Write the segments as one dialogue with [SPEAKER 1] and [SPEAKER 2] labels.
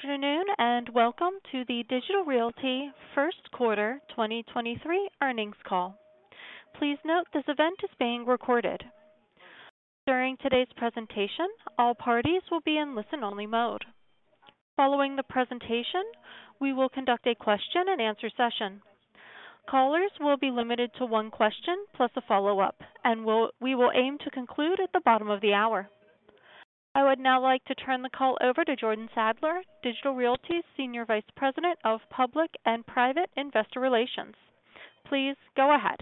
[SPEAKER 1] Good afternoon. Welcome to the Digital Realty First Quarter 2023 Earnings Call. Please note this event is being recorded. During today's presentation, all parties will be in listen-only mode. Following the presentation, we will conduct a question and answer session. Callers will be limited to one question plus a follow-up, and we will aim to conclude at the bottom of the hour. I would now like to turn the call over to Jordan Sadler, Digital Realty Senior Vice President of Public and Private Investor Relations. Please go ahead.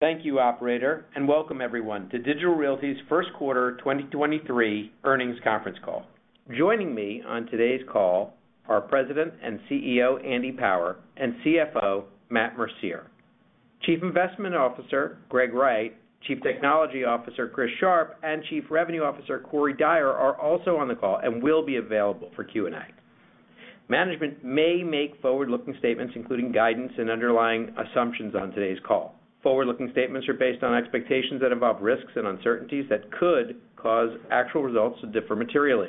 [SPEAKER 2] Thank you, operator, and welcome everyone to Digital Realty's 1st quarter 2023 earnings conference call. Joining me on today's call are President and CEO, Andy Power, and CFO, Matt Mercier. Chief Investment Officer, Greg Wright, Chief Technology Officer, Chris Sharp, and Chief Revenue Officer, Corey Dyer, are also on the call and will be available for Q&A. Management may make forward-looking statements, including guidance and underlying assumptions on today's call. Forward-looking statements are based on expectations that involve risks and uncertainties that could cause actual results to differ materially.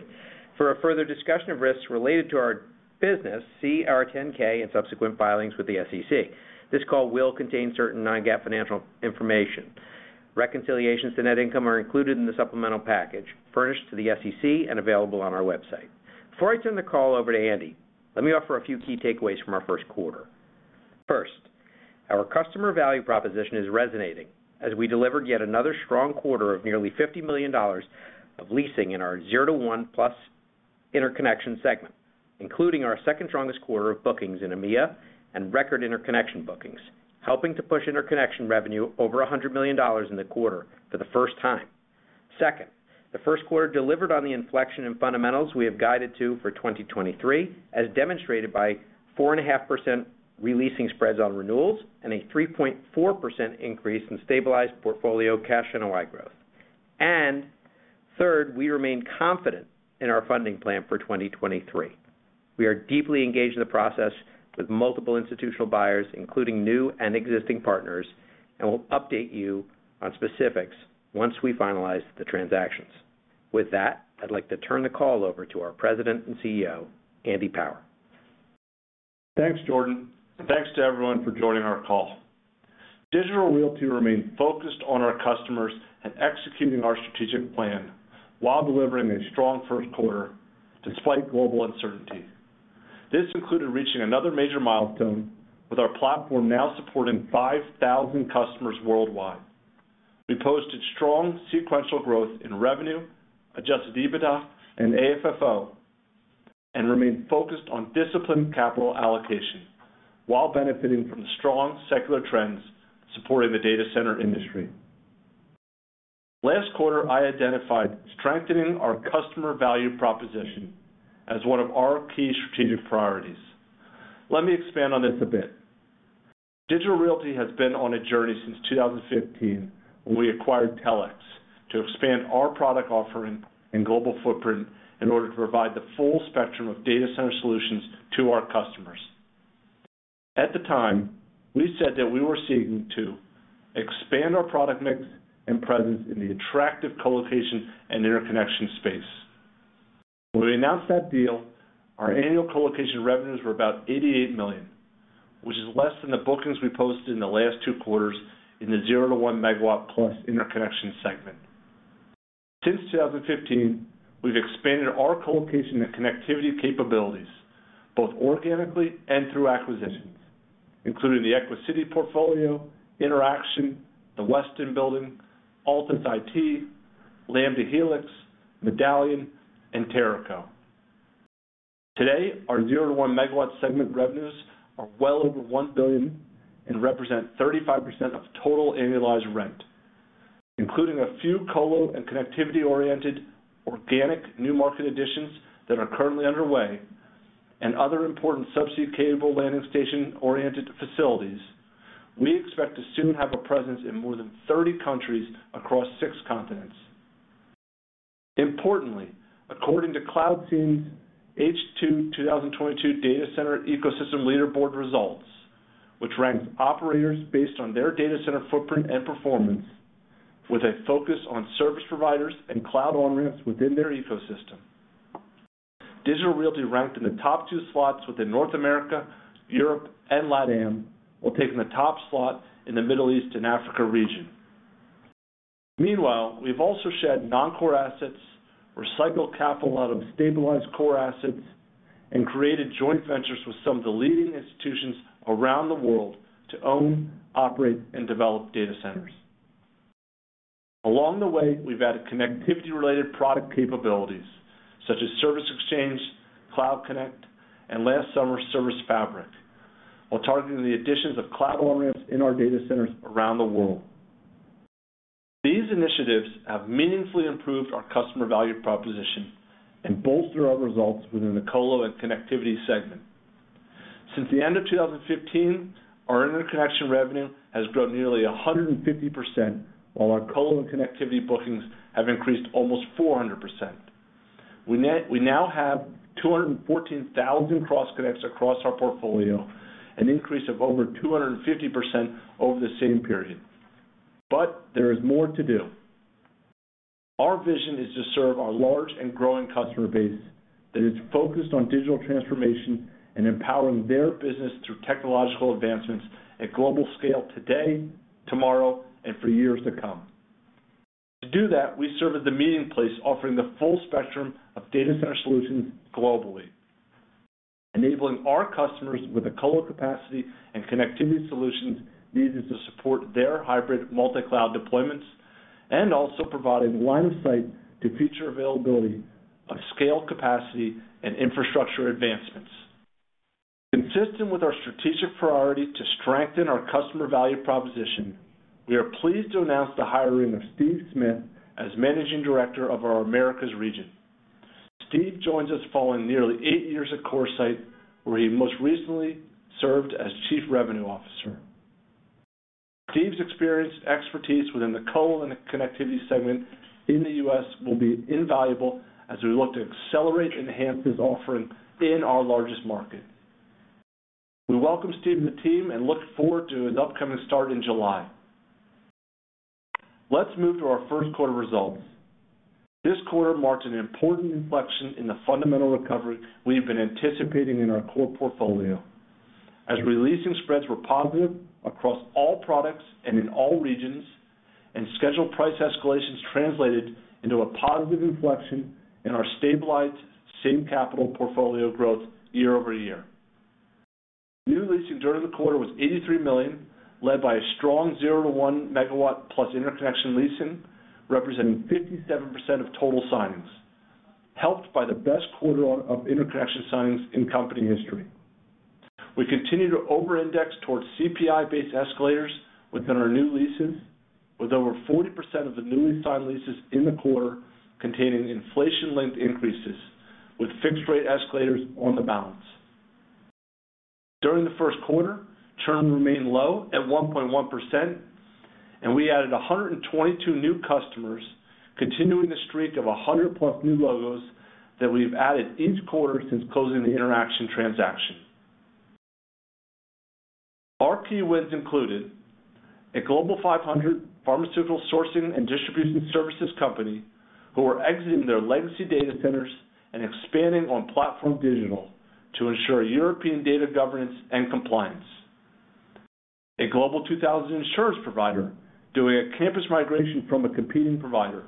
[SPEAKER 2] For a further discussion of risks related to our business, see our 10-K and subsequent filings with the SEC. This call will contain certain non-GAAP financial information. Reconciliations to net income are included in the supplemental package furnished to the SEC and available on our website. Before I turn the call over to Andy, let me offer a few key takeaways from our first quarter. First, our customer value proposition is resonating as we delivered yet another strong quarter of nearly $50 million of leasing in our 0-1 plus Interconnection segment, including our second strongest quarter of bookings in EMEA and record Interconnection bookings, helping to push Interconnection revenue over $100 million in the quarter for the first time. Second, the first quarter delivered on the inflection in fundamentals we have guided to for 2023, as demonstrated by 4.5% re-leasing spreads on renewals and a 3.4% increase in stabilized portfolio cash NOI growth. Third, we remain confident in our funding plan for 2023. We are deeply engaged in the process with multiple institutional buyers, including new and existing partners, and we'll update you on specifics once we finalize the transactions. With that, I'd like to turn the call over to our President and CEO, Andy Power.
[SPEAKER 3] Thanks, Jordan. Thanks to everyone for joining our call. Digital Realty remains focused on our customers and executing our strategic plan while delivering a strong first quarter despite global uncertainty. This included reaching another major milestone with our platform now supporting 5,000 customers worldwide. We posted strong sequential growth in revenue, adjusted EBITDA and AFFO. Remained focused on disciplined capital allocation while benefiting from the strong secular trends supporting the data center industry. Last quarter, I identified strengthening our customer value proposition as one of our key strategic priorities. Let me expand on this a bit. Digital Realty has been on a journey since 2015 when we acquired Telx to expand our product offering and global footprint in order to provide the full spectrum of data center solutions to our customers. At the time, we said that we were seeking to expand our product mix and presence in the attractive Colocation and Interconnection space. When we announced that deal, our annual colocation revenues were about $88 million, which is less than the bookings we posted in the last two quarters in the 0-1 MW plus Interconnection segment. Since 2015, we've expanded our colocation and connectivity capabilities, both organically and through acquisitions, including the Equinix portfolio, Interxion, the Westin Building, Altus IT, Lamda Hellix, Medallion, and Teraco. Today, our 0-1 MW segment revenues are well over $1 billion and represent 35% of total annualized rent, including a few colo and connectivity-oriented organic new market additions that are currently underway and other important subsea cable landing station-oriented facilities. We expect to soon have a presence in more than 30 countries across six continents. Importantly, according to Cloudscene's H2 2022 data center ecosystem leaderboard results, which ranks operators based on their data center footprint and performance with a focus on service providers and cloud on-ramps within their ecosystem. Digital Realty ranked in the top two slots within North America, Europe, and LATAM, while taking the top slot in the Middle East and Africa region. We've also shed non-core assets, recycled capital out of stabilized core assets, and created joint ventures with some of the leading institutions around the world to own, operate, and develop data centers. Along the way, we've added connectivity related product capabilities such as Service Exchange, Cloud Connect, and last summer's ServiceFabric, while targeting the additions of cloud on-ramps in our data centers around the world. These initiatives have meaningfully improved our customer value proposition and bolster our results within the Colo and connectivity segment. Since the end of 2015, our Interconnection revenue has grown nearly 150%, while our colo and connectivity bookings have increased almost 400%. We now have 214,000 cross connects across our portfolio, an increase of over 250% over the same period. There is more to do. Our vision is to serve our large and growing customer base that is focused on digital transformation and empowering their business through technological advancements at global scale today, tomorrow, and for years to come. To do that, we serve as the meeting place offering the full spectrum of data center solutions globally, enabling our customers with the co-lo capacity and connectivity solutions needed to support their hybrid multi-cloud deployments and also providing line of sight to future availability of scale capacity and infrastructure advancements. Consistent with our strategic priority to strengthen our customer value proposition, we are pleased to announce the hiring of Steve Smith as Managing Director of our Americas region. Steve joins us following nearly eight years at CoreSite, where he most recently served as Chief Revenue Officer. Steve's experience and expertise within the co-lo and connectivity segment in the U.S. will be invaluable as we look to accelerate enhanced offering in our largest market. We welcome Steve to the team and look forward to his upcoming start in July. Let's move to our first quarter results. This quarter marks an important inflection in the fundamental recovery we have been anticipating in our core portfolio as releasing spreads were positive across all products and in all regions, and scheduled price escalations translated into a positive inflection in our stabilized same-capital portfolio growth year-over-year. New leasing during the quarter was $83 million, led by a strong 0-1 MW plus Interconnection leasing, representing 57% of total signings, helped by the best quarter of Interconnection signings in company history. We continue to over-index towards CPI-based escalators within our new leases, with over 40% of the newly signed leases in the quarter containing inflation linked increases with fixed rate escalators on the balance. During the first quarter, churn remained low at 1.1%, and we added 122 new customers, continuing the streak of 100+ new logos that we've added each quarter since closing the Interxion transaction. Our key wins included a Global 500 pharmaceutical sourcing and distribution services company who are exiting their legacy data centers and expanding on PlatformDIGITAL to ensure European data governance and compliance. A global 2,000 insurance provider doing a campus migration from a competing provider.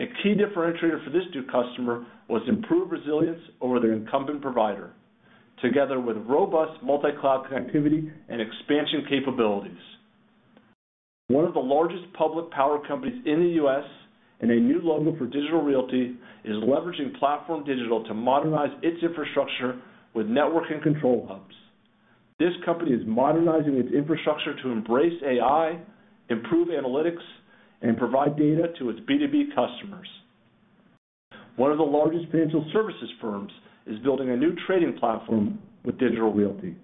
[SPEAKER 3] A key differentiator for this new customer was improved resilience over their incumbent provider, together with robust multi-cloud connectivity and expansion capabilities. One of the largest public power companies in the U.S., and a new logo for Digital Realty, is leveraging PlatformDIGITAL to modernize its infrastructure with network and control hubs. This company is modernizing its infrastructure to embrace AI, improve analytics, and provide data to its B2B customers. One of the largest financial services firms is building a new trading platform with Digital Realty,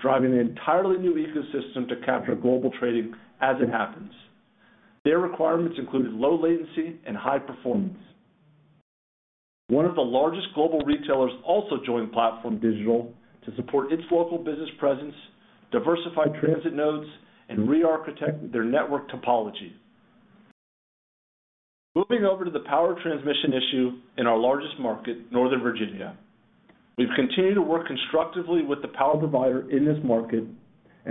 [SPEAKER 3] driving an entirely new ecosystem to capture global trading as it happens. Their requirements included low latency and high performance. One of the largest global retailers also joined PlatformDIGITAL to support its local business presence, diversify transit nodes, and re-architect their network topology. Moving over to the power transmission issue in our largest market, Northern Virginia.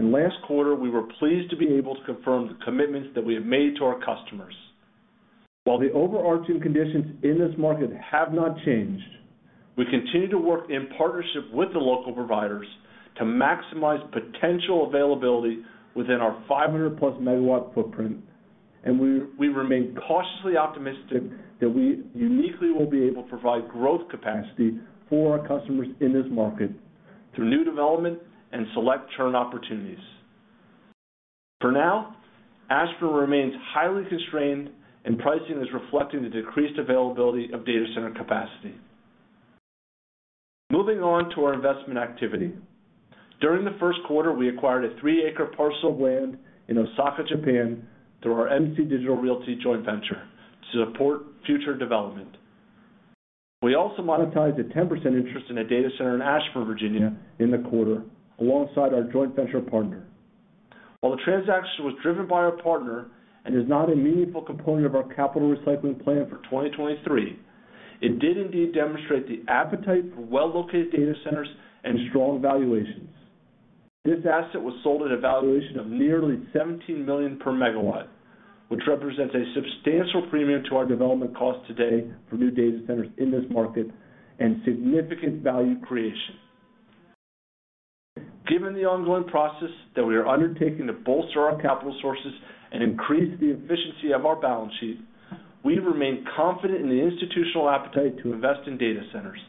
[SPEAKER 3] Last quarter, we were pleased to be able to confirm the commitments that we have made to our customers. While the overarching conditions in this market have not changed, we continue to work in partnership with the local providers to maximize potential availability within our 500+ MW footprint. We remain cautiously optimistic that we uniquely will be able to provide growth capacity for our customers in this market through new development and select churn opportunities. For now, Ashburn remains highly constrained and pricing is reflecting the decreased availability of data center capacity. Moving on to our investment activity. During the first quarter, we acquired a three-acre parcel of land in Osaka, Japan, through our MC Digital Realty joint venture to support future development. We also monetized a 10% interest in a data center in Ashburn, Virginia, in the quarter alongside our joint venture partner. While the transaction was driven by our partner and is not a meaningful component of our capital recycling plan for 2023, it did indeed demonstrate the appetite for well-located data centers and strong valuations. This asset was sold at a valuation of nearly $17 million per megawatt, which represents a substantial premium to our development cost today for new data centers in this market and significant value creation. Given the ongoing process that we are undertaking to bolster our capital sources and increase the efficiency of our balance sheet, we remain confident in the institutional appetite to invest in data centers.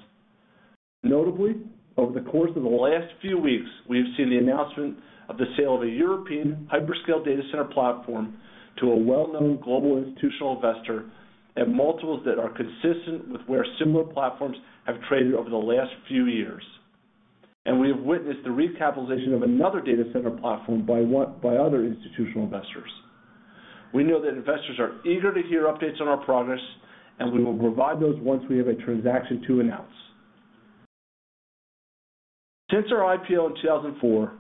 [SPEAKER 3] Notably, over the course of the last few weeks, we've seen the announcement of the sale of a European hyperscale data center platform to a well-known global institutional investor at multiples that are consistent with where similar platforms have traded over the last few years. We have witnessed the recapitalization of another data center platform by other institutional investors. We know that investors are eager to hear updates on our progress, and we will provide those once we have a transaction to announce. Since our IPO in 2004,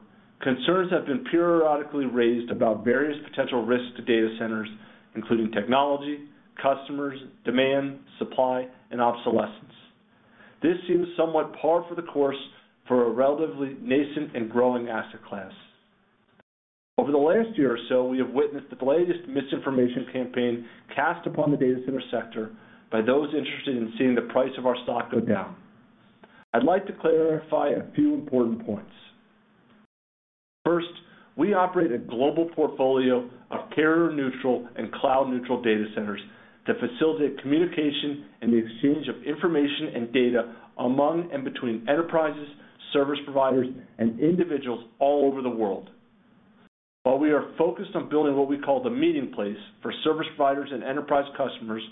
[SPEAKER 3] concerns have been periodically raised about various potential risks to data centers, including technology, customers, demand, supply, and obsolescence. This seems somewhat par for the course for a relatively nascent and growing asset class. Over the last year or so, we have witnessed the latest misinformation campaign cast upon the data center sector by those interested in seeing the price of our stock go down. I'd like to clarify a few important points. First, we operate a global portfolio of carrier-neutral and cloud-neutral data centers to facilitate communication and the exchange of information and data among and between enterprises, service providers, and individuals all over the world. While we are focused on building what we call the meeting place for service providers and enterprise customers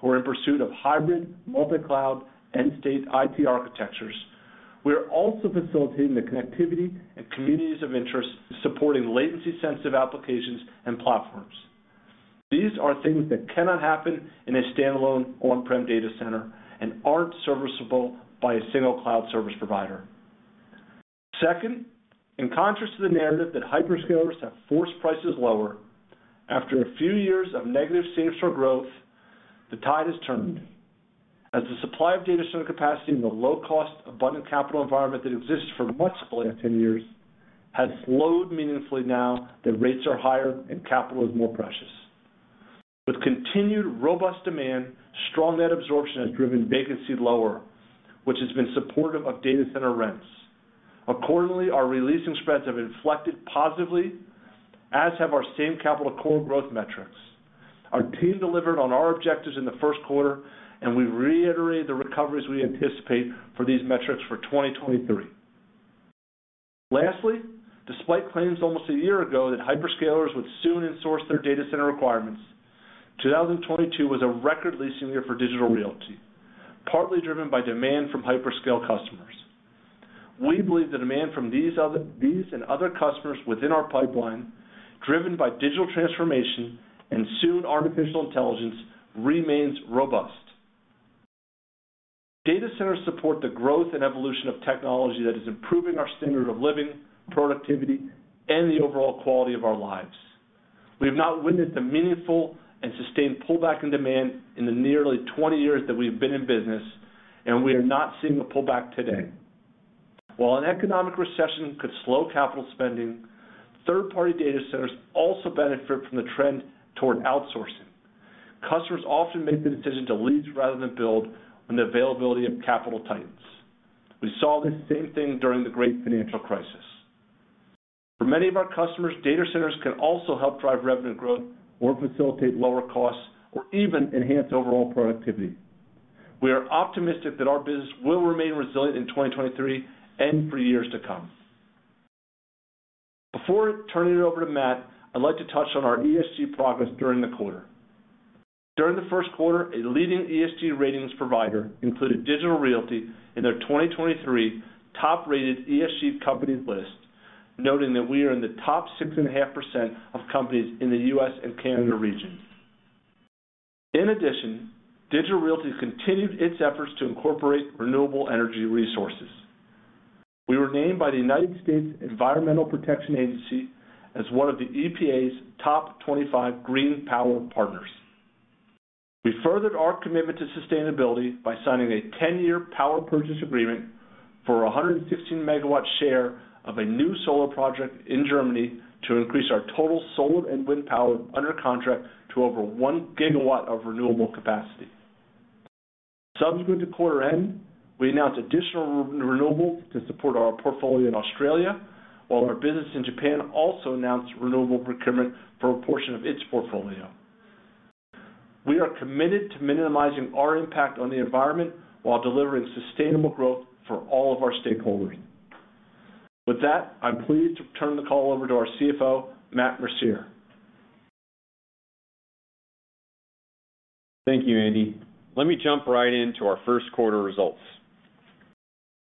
[SPEAKER 3] who are in pursuit of hybrid, multi-cloud, and stateful IP architectures, we are also facilitating the connectivity and communities of interest supporting latency-sensitive applications and platforms. These are things that cannot happen in a standalone on-prem data center and aren't serviceable by a single cloud service provider. Second, in contrast to the narrative that hyperscalers have forced prices lower, after a few years of negative same-store growth, the tide has turned. As the supply of data center capacity in the low-cost, abundant capital environment that exists for much of the last 10 years has slowed meaningfully now that rates are higher and capital is more precious. With continued robust demand, strong net absorption has driven vacancy lower, which has been supportive of data center rents. Accordingly, our releasing spreads have inflected positively, as have our same capital core growth metrics. Our team delivered on our objectives in the first quarter. We reiterate the recoveries we anticipate for these metrics for 2023. Lastly, despite claims almost a year ago that hyperscalers would soon insource their data center requirements, 2022 was a record leasing year for Digital Realty, partly driven by demand from hyperscale customers. We believe the demand from these and other customers within our pipeline, driven by digital transformation and soon artificial intelligence, remains robust. Data centers support the growth and evolution of technology that is improving our standard of living, productivity, and the overall quality of our lives. We have not witnessed a meaningful and sustained pullback in demand in the nearly 20 years that we've been in business, and we are not seeing a pullback today. While an economic recession could slow capital spending, third-party data centers also benefit from the trend toward outsourcing. Customers often make the decision to lease rather than build on the availability of capital tightens. We saw this same thing during the great financial crisis. For many of our customers, data centers can also help drive revenue growth or facilitate lower costs or even enhance overall productivity. We are optimistic that our business will remain resilient in 2023 and for years to come. Before turning it over to Matt, I'd like to touch on our ESG progress during the quarter. During the first quarter, a leading ESG ratings provider included Digital Realty in their 2023 top-rated ESG companies list, noting that we are in the top 6.5% of companies in the U.S. and Canada region. Digital Realty continued its efforts to incorporate renewable energy resources. We were named by the United States Environmental Protection Agency as one of the EPA's top 25 green power partners. We furthered our commitment to sustainability by signing a 10-year power purchase agreement for 115 MW share of a new solar project in Germany to increase our total solar and wind power under contract to over 1 GW of renewable capacity. Subsequent to quarter end, we announced additional renewables to support our portfolio in Australia, while our business in Japan also announced renewable procurement for a portion of its portfolio. We are committed to minimizing our impact on the environment while delivering sustainable growth for all of our stakeholders. With that, I'm pleased to turn the call over to our CFO, Matt Mercier.
[SPEAKER 4] Thank you, Andy. Let me jump right into our first quarter results.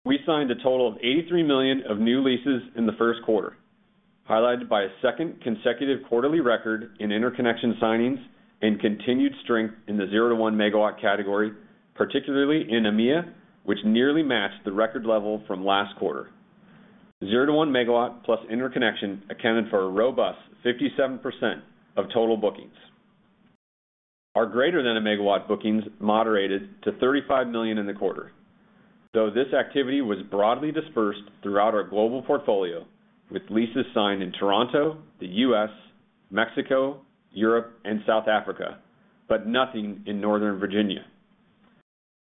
[SPEAKER 4] We signed a total of $83 million of new leases in the first quarter, highlighted by a second consecutive quarterly record in Interconnection signings and continued strength in the 0-1 MW category, particularly in EMEA, which nearly matched the record level from last quarter. 0-1 MW plus Interconnection accounted for a robust 57% of total bookings. Our >1 MW bookings moderated to $35 million in the quarter, though this activity was broadly dispersed throughout our global portfolio with leases signed in Toronto, the U.S., Mexico, Europe, and South Africa, but nothing in Northern Virginia.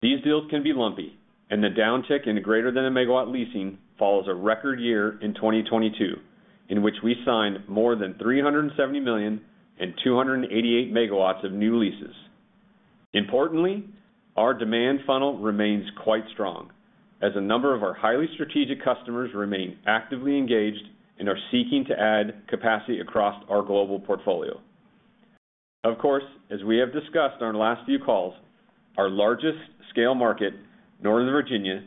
[SPEAKER 4] These deals can be lumpy. The downtick in >1 MW leasing follows a record year in 2022, in which we signed more than $370 million and 288 MW of new leases. Importantly, our demand funnel remains quite strong as a number of our highly strategic customers remain actively engaged and are seeking to add capacity across our global portfolio. Of course, as we have discussed on our last few calls, our largest scale market, Northern Virginia,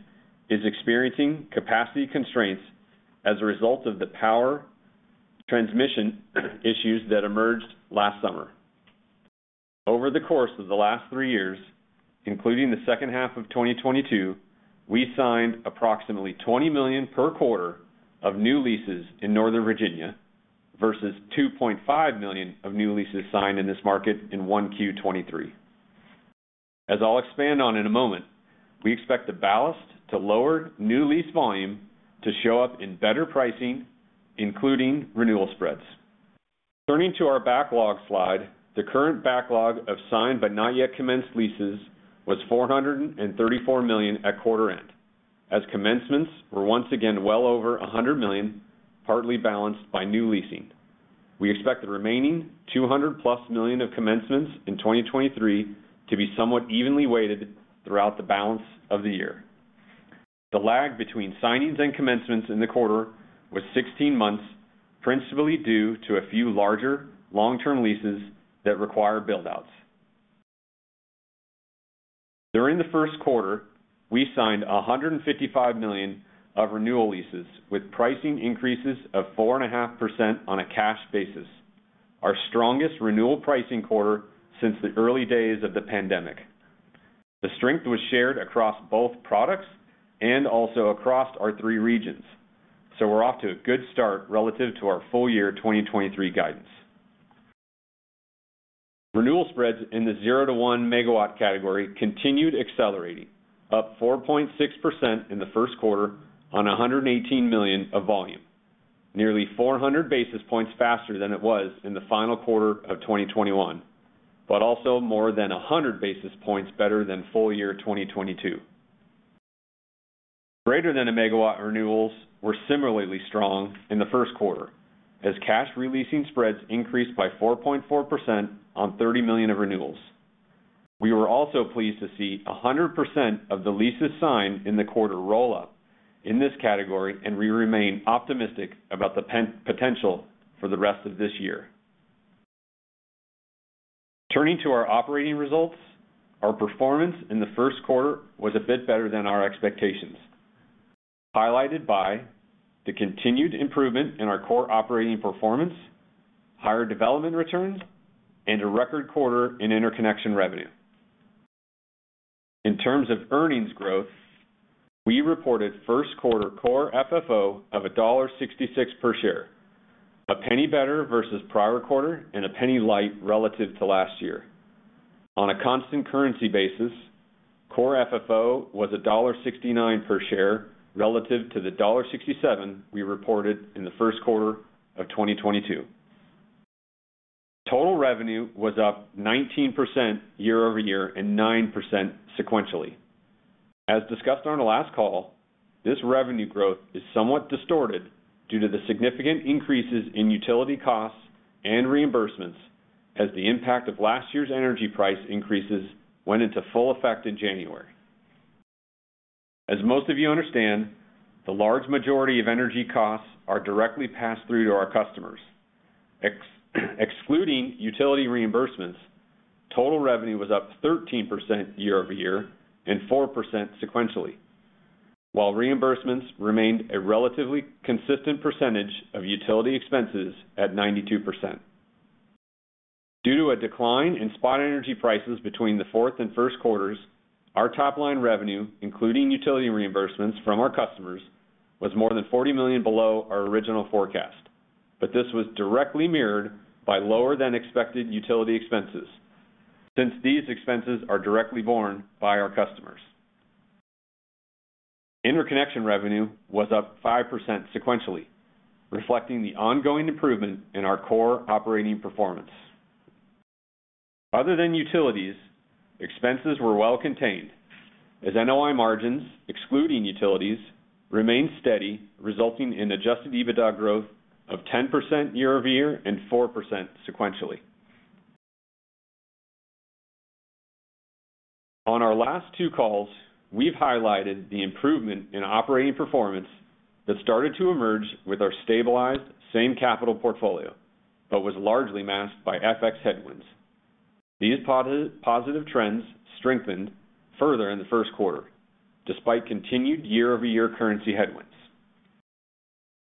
[SPEAKER 4] is experiencing capacity constraints as a result of the power transmission issues that emerged last summer. Over the course of the last three years, including the second half of 2022, we signed approximately $20 million per quarter of new leases in Northern Virginia versus $2.5 million of new leases signed in this market in 1Q 2023. As I'll expand on in a moment, we expect the ballast to lower new lease volume to show up in better pricing, including renewal spreads. Turning to our backlog slide, the current backlog of signed but not yet commenced leases was $434 million at quarter end, as commencements were once again well over $100 million, partly balanced by new leasing. We expect the remaining $200+ million of commencements in 2023 to be somewhat evenly weighted throughout the balance of the year. The lag between signings and commencements in the quarter was 16 months, principally due to a few larger long-term leases that require build-outs. During the first quarter, we signed $155 million of renewal leases, with pricing increases of 4.5% on a cash basis, our strongest renewal pricing quarter since the early days of the pandemic. The strength was shared across both products and also across our three regions, so we're off to a good start relative to our full year 2023 guidance. Renewal spreads in the 0-1 MW category continued accelerating, up 4.6% in the 1st quarter on $118 million of volume. Nearly 400 basis points faster than it was in the final quarter of 2021, but also more than 100 basis points better than full year 2022. Greater than 1 MW renewals were similarly strong in the 1st quarter as cash re-leasing spreads increased by 4.4% on $30 million of renewals. We were also pleased to see 100% of the leases signed in the quarter roll-up in this category, and we remain optimistic about the potential for the rest of this year. Turning to our operating results, our performance in the first quarter was a bit better than our expectations, highlighted by the continued improvement in our core operating performance, higher development returns, and a record quarter in Interconnection revenue. In terms of earnings growth, we reported first quarter core FFO of $1.66 per share, $0.01 better versus prior quarter and $0.01 light relative to last year. On a constant currency basis, core FFO was $1.69 per share relative to $1.67 we reported in the first quarter of 2022. Total revenue was up 19% year-over-year and 9% sequentially. As discussed on our last call, this revenue growth is somewhat distorted due to the significant increases in utility costs and reimbursements as the impact of last year's energy price increases went into full effect in January. As most of you understand, the large majority of energy costs are directly passed through to our customers. Excluding utility reimbursements, total revenue was up 13% year-over-year and 4% sequentially, while reimbursements remained a relatively consistent percentage of utility expenses at 92%. Due to a decline in spot energy prices between the fourth and first quarters, our top-line revenue, including utility reimbursements from our customers, was more than $40 million below our original forecast, this was directly mirrored by lower than expected utility expenses since these expenses are directly borne by our customers. Interconnection revenue was up 5% sequentially, reflecting the ongoing improvement in our core operating performance. Other than utilities, expenses were well contained as NOI margins, excluding utilities, remained steady, resulting in adjusted EBITDA growth of 10% year-over-year and 4% sequentially. On our last two calls, we've highlighted the improvement in operating performance that started to emerge with our stabilized same capital portfolio, but was largely masked by FX headwinds. These positive trends strengthened further in the first quarter, despite continued year-over-year currency headwinds.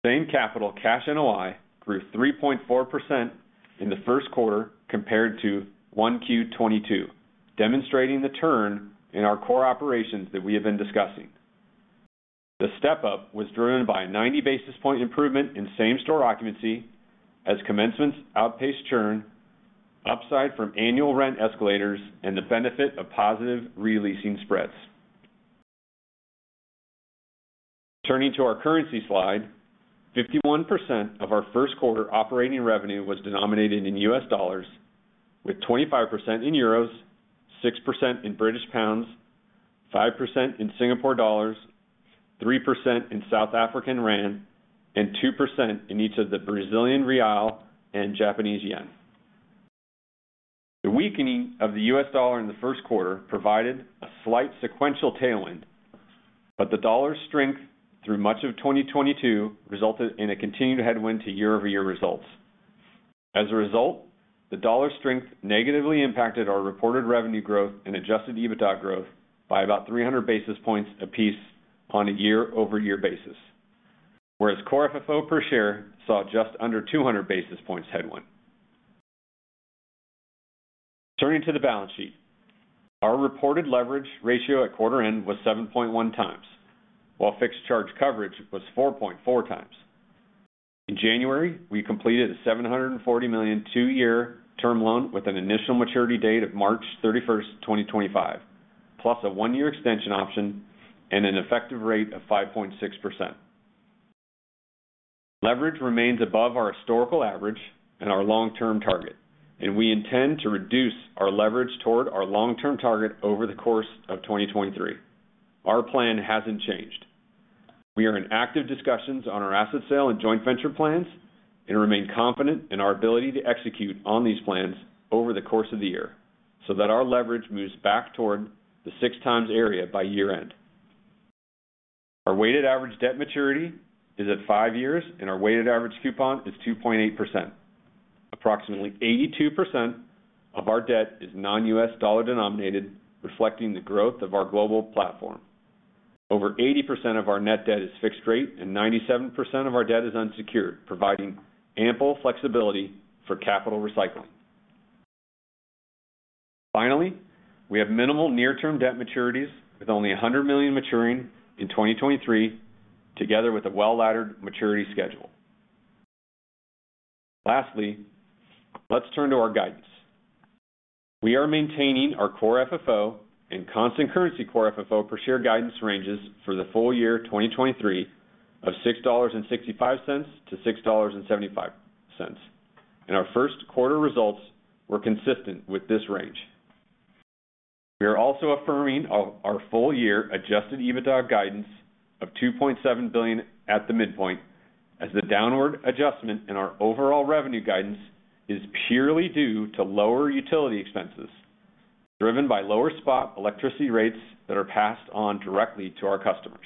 [SPEAKER 4] Same capital cash NOI grew 3.4% in the first quarter compared to 1Q 2022, demonstrating the turn in our core operations that we have been discussing. The step-up was driven by a 90 basis point improvement in same-store occupancy as commencements outpaced churn, upside from annual rent escalators, and the benefit of positive re-leasing spreads. Turning to our currency slide, 51% of our first quarter operating revenue was denominated in U.S. dollars, with 25% in Euros, 6% in British pounds, 5% in Singapore dollars, 3% in South African rand, and 2% in each of the Brazilian real and Japanese yen. The weakening of the U.S. dollar in the first quarter provided a slight sequential tailwind, the dollar's strength through much of 2022 resulted in a continued headwind to year-over-year results. As a result, the dollar strength negatively impacted our reported revenue growth and adjusted EBITDA growth by about 300 basis points apiece on a year-over-year basis. Whereas core FFO per share saw just under 200 basis points headwind. Turning to the balance sheet. Our reported leverage ratio at quarter end was 7.1 times, while fixed charge coverage was 4.4x. In January, we completed a $740 million two-year term loan with an initial maturity date of March 31, 2025, plus a one-year extension option and an effective rate of 5.6%. Leverage remains above our historical average and our long-term target, and we intend to reduce our leverage toward our long-term target over the course of 2023. Our plan hasn't changed. We are in active discussions on our asset sale and joint venture plans and remain confident in our ability to execute on these plans over the course of the year so that our leverage moves back toward the six times area by year-end. Our weighted average debt maturity is at five years, and our weighted average coupon is 2.8%. Approximately 82% of our debt is non-U.S. dollar denominated, reflecting the growth of our global platform. Over 80% of our net debt is fixed rate and 97% of our debt is unsecured, providing ample flexibility for capital recycling. We have minimal near term debt maturities with only $100 million maturing in 2023, together with a well-laddered maturity schedule. Let's turn to our guidance. We are maintaining our core FFO and constant currency core FFO per share guidance ranges for the full year 2023 of $6.65-$6.75. Our first quarter results were consistent with this range. We are also affirming our full year adjusted EBITDA guidance of $2.7 billion at the midpoint as the downward adjustment in our overall revenue guidance is purely due to lower utility expenses, driven by lower spot electricity rates that are passed on directly to our customers.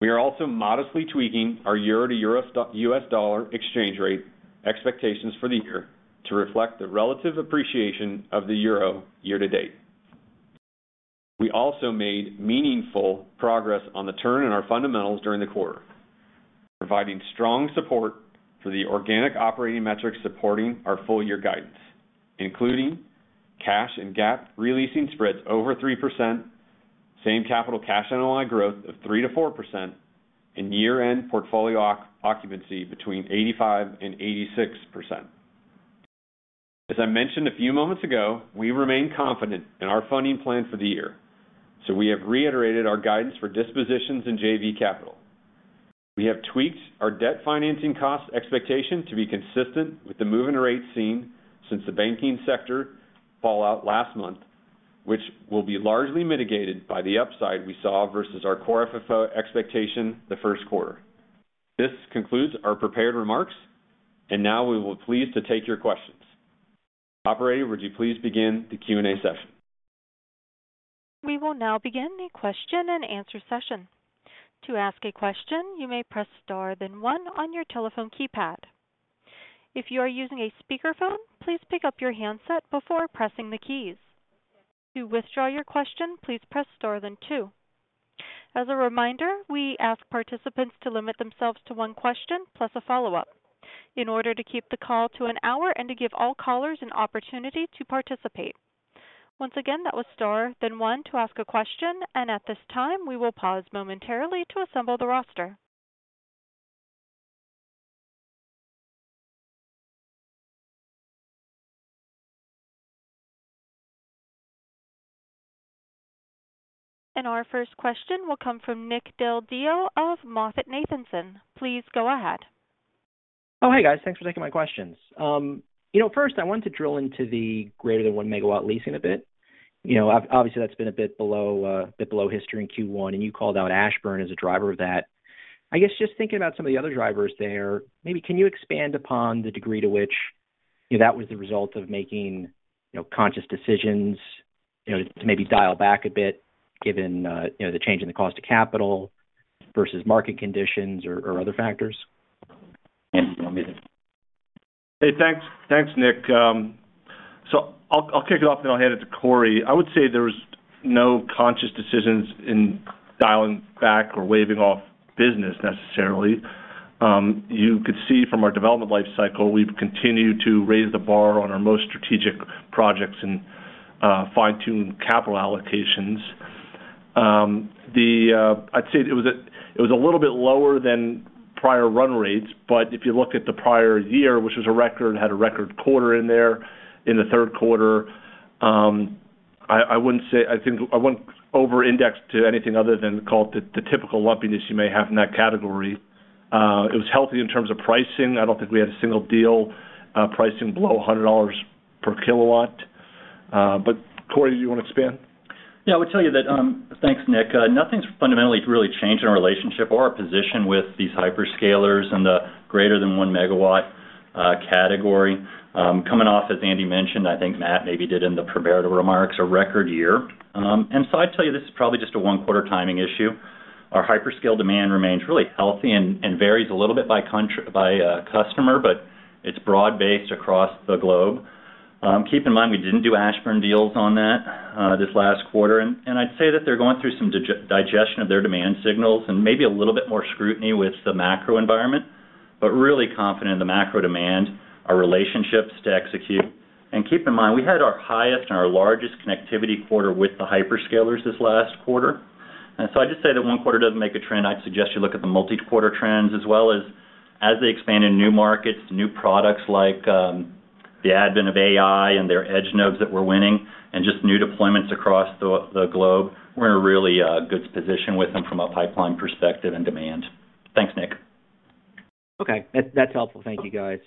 [SPEAKER 4] We are also modestly tweaking our euro to U.S. dollar exchange rate expectations for the year to reflect the relative appreciation of the euro year to date. We also made meaningful progress on the turn in our fundamentals during the quarter, providing strong support for the organic operating metrics supporting our full year guidance, including cash and GAAP releasing spreads over 3%, same capital cash NOI growth of 3%-4%, and year-end portfolio occupancy between 85% and 86%. As I mentioned a few moments ago, we remain confident in our funding plan for the year, we have reiterated our guidance for dispositions in JV Capital. We have tweaked our debt financing cost expectation to be consistent with the move in rates seen since the banking sector fallout last month, which will be largely mitigated by the upside we saw versus our core FFO expectation the first quarter. This concludes our prepared remarks and now we will be pleased to take your questions. Operator, would you please begin the Q&A session?
[SPEAKER 1] We will now begin the question and answer session. To ask a question, you may press star then one on your telephone keypad. If you are using a speakerphone, please pick up your handset before pressing the keys. To withdraw your question, please press star then two. As a reminder, we ask participants to limit themselves to one question plus a follow-up in order to keep the call to an hour and to give all callers an opportunity to participate. Once again, that was Star then one to ask a question, at this time, we will pause momentarily to assemble the roster. Our first question will come from Nick Del Deo of MoffettNathanson. Please go ahead.
[SPEAKER 5] Hey, guys. Thanks for taking my questions. you know, first I wanted to drill into the >1 MW leasing a bit. You know, obviously, that's been a bit below, a bit below history in Q1, and you called out Ashburn as a driver of that. I guess just thinking about some of the other drivers there, maybe can you expand upon the degree to which, you know, that was the result of making, you know, conscious decisions, you know, to maybe dial back a bit given, you know, the change in the cost of capital versus market conditions or other factors?
[SPEAKER 2] Andy, do you want me to?
[SPEAKER 3] Hey, thanks. Thanks, Nick. I'll kick it off, then I'll hand it to Corey. I would say there was no conscious decisions in dialing back or waiving off business necessarily. You could see from our development life cycle, we've continued to raise the bar on our most strategic projects and fine-tune capital allocations. I'd say it was a little bit lower than prior run rates, if you look at the prior year, which was a record, had a record quarter in there in the third quarter, I wouldn't say. I think I wouldn't over-index to anything other than call it the typical lumpiness you may have in that category. It was healthy in terms of pricing. I don't think we had a single deal, pricing below $100 per kilowatt. Corey, do you wanna expand?
[SPEAKER 6] Yeah, I would tell you that, thanks, Nick. Nothing's fundamentally really changed in our relationship or our position with these hyperscalers in the >1 MW category. Coming off, as Andy mentioned, I think Matt maybe did in the prepared remarks, a record year. I'd tell you this is probably just a one quarter timing issue. Our Hyperscale demand remains really healthy and varies a little bit by customer, but it's broad-based across the globe. Keep in mind, we didn't do Ashburn deals on that this last quarter, I'd say that they're going through some digestion of their demand signals and maybe a little bit more scrutiny with the macro environment. Really confident in the macro demand, our relationships to execute. Keep in mind, we had our highest and our largest connectivity quarter with the hyperscalers this last quarter. I just say that one quarter doesn't make a trend. I'd suggest you look at the multi-quarter trends as well as they expand in new markets, new products like the advent of AI and their edge nodes that we're winning and just new deployments across the globe. We're in a really good position with them from a pipeline perspective and demand. Thanks, Nick.
[SPEAKER 5] Okay. That's helpful. Thank you, guys.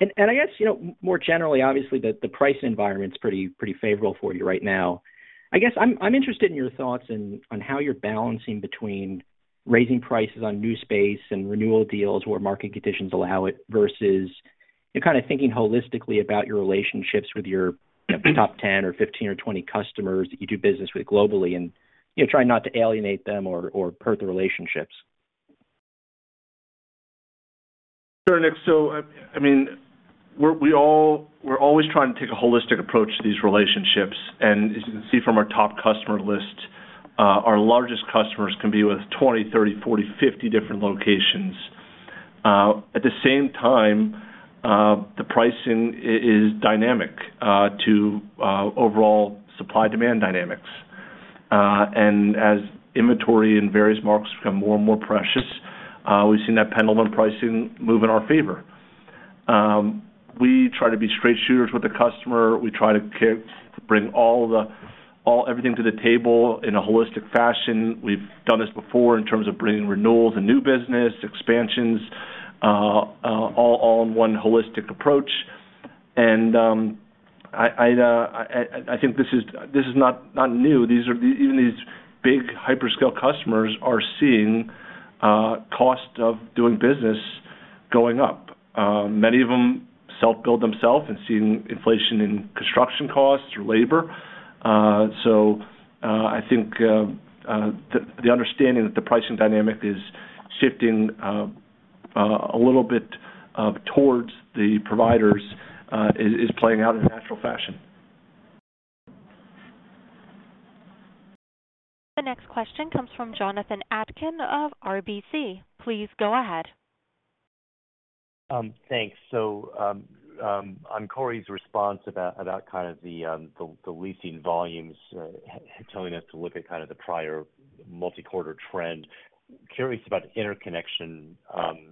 [SPEAKER 5] I guess, you know, more generally, obviously, the price environment's pretty favorable for you right now. I guess I'm interested in your thoughts in, on how you're balancing between raising prices on new space and renewal deals where market conditions allow it versus you're kinda thinking holistically about your relationships with your, you know, top 10 or 15 or 20 customers that you do business with globally and, you know, trying not to alienate them or hurt the relationships.
[SPEAKER 3] Sure, Nick. I mean, we're always trying to take a holistic approach to these relationships. As you can see from our top customer list, our largest customers can be with 20, 30, 40, 50 different locations. At the same time, the pricing is dynamic to overall supply-demand dynamics. As inventory in various markets become more and more precious, we've seen that pendulum pricing move in our favor. We try to be straight shooters with the customer. We try to bring everything to the table in a holistic fashion. We've done this before in terms of bringing renewals and new business, expansions, all in one holistic approach. I think this is not new. These are the, even these big Hyperscale customers are seeing cost of doing business going up. Many of them self-build themselves and seeing inflation in construction costs or labor. I think the understanding that the pricing dynamic is shifting a little bit towards the providers is playing out in natural fashion.
[SPEAKER 1] The next question comes from Jonathan Atkin of RBC. Please go ahead.
[SPEAKER 7] Thanks. On Corey's response about kind of the leasing volumes, telling us to look at kind of the prior multi-quarter trend, curious about interconnection and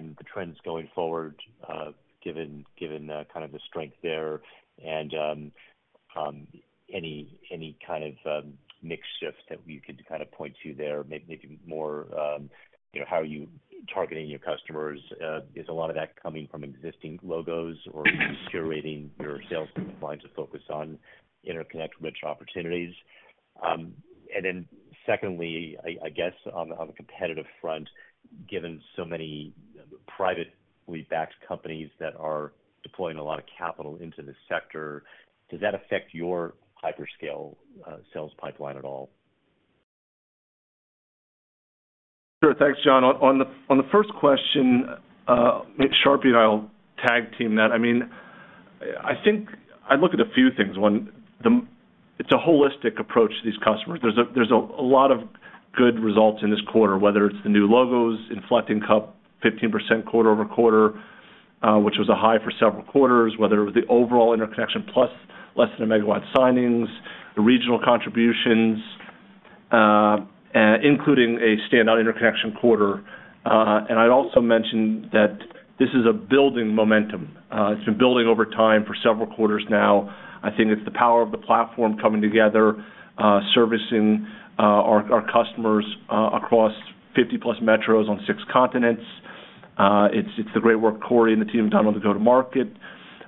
[SPEAKER 7] the trends going forward, given kind of the strength there and any kind of mix shift that we could kind of point to there, maybe more, you know, how are you targeting your customers? Is a lot of that coming from existing logos or curating your sales pipeline to focus on interconnect-rich opportunities? Secondly, I guess on the competitive front, given so many privately backed companies that are deploying a lot of capital into this sector, does that affect your hyperscale sales pipeline at all?
[SPEAKER 3] Sure. Thanks, Jon. On the first question, Nick, Sharpie and I will tag team that. I mean, I think I look at a few things. One, it's a holistic approach to these customers. There's a lot of good results in this quarter, whether it's the new logos inflecting count 15% quarter-over-quarter, which was a high for several quarters, whether it was the overall Interconnection plus less than a megawatt signings, the regional contributions, including a standout interconnection quarter. I'd also mention that this is a building momentum. It's been building over time for several quarters now. I think it's the power of the platform coming together, servicing our customers across 50+ metros on six continents. It's, it's the great work Corey and the team have done on the go-to-market.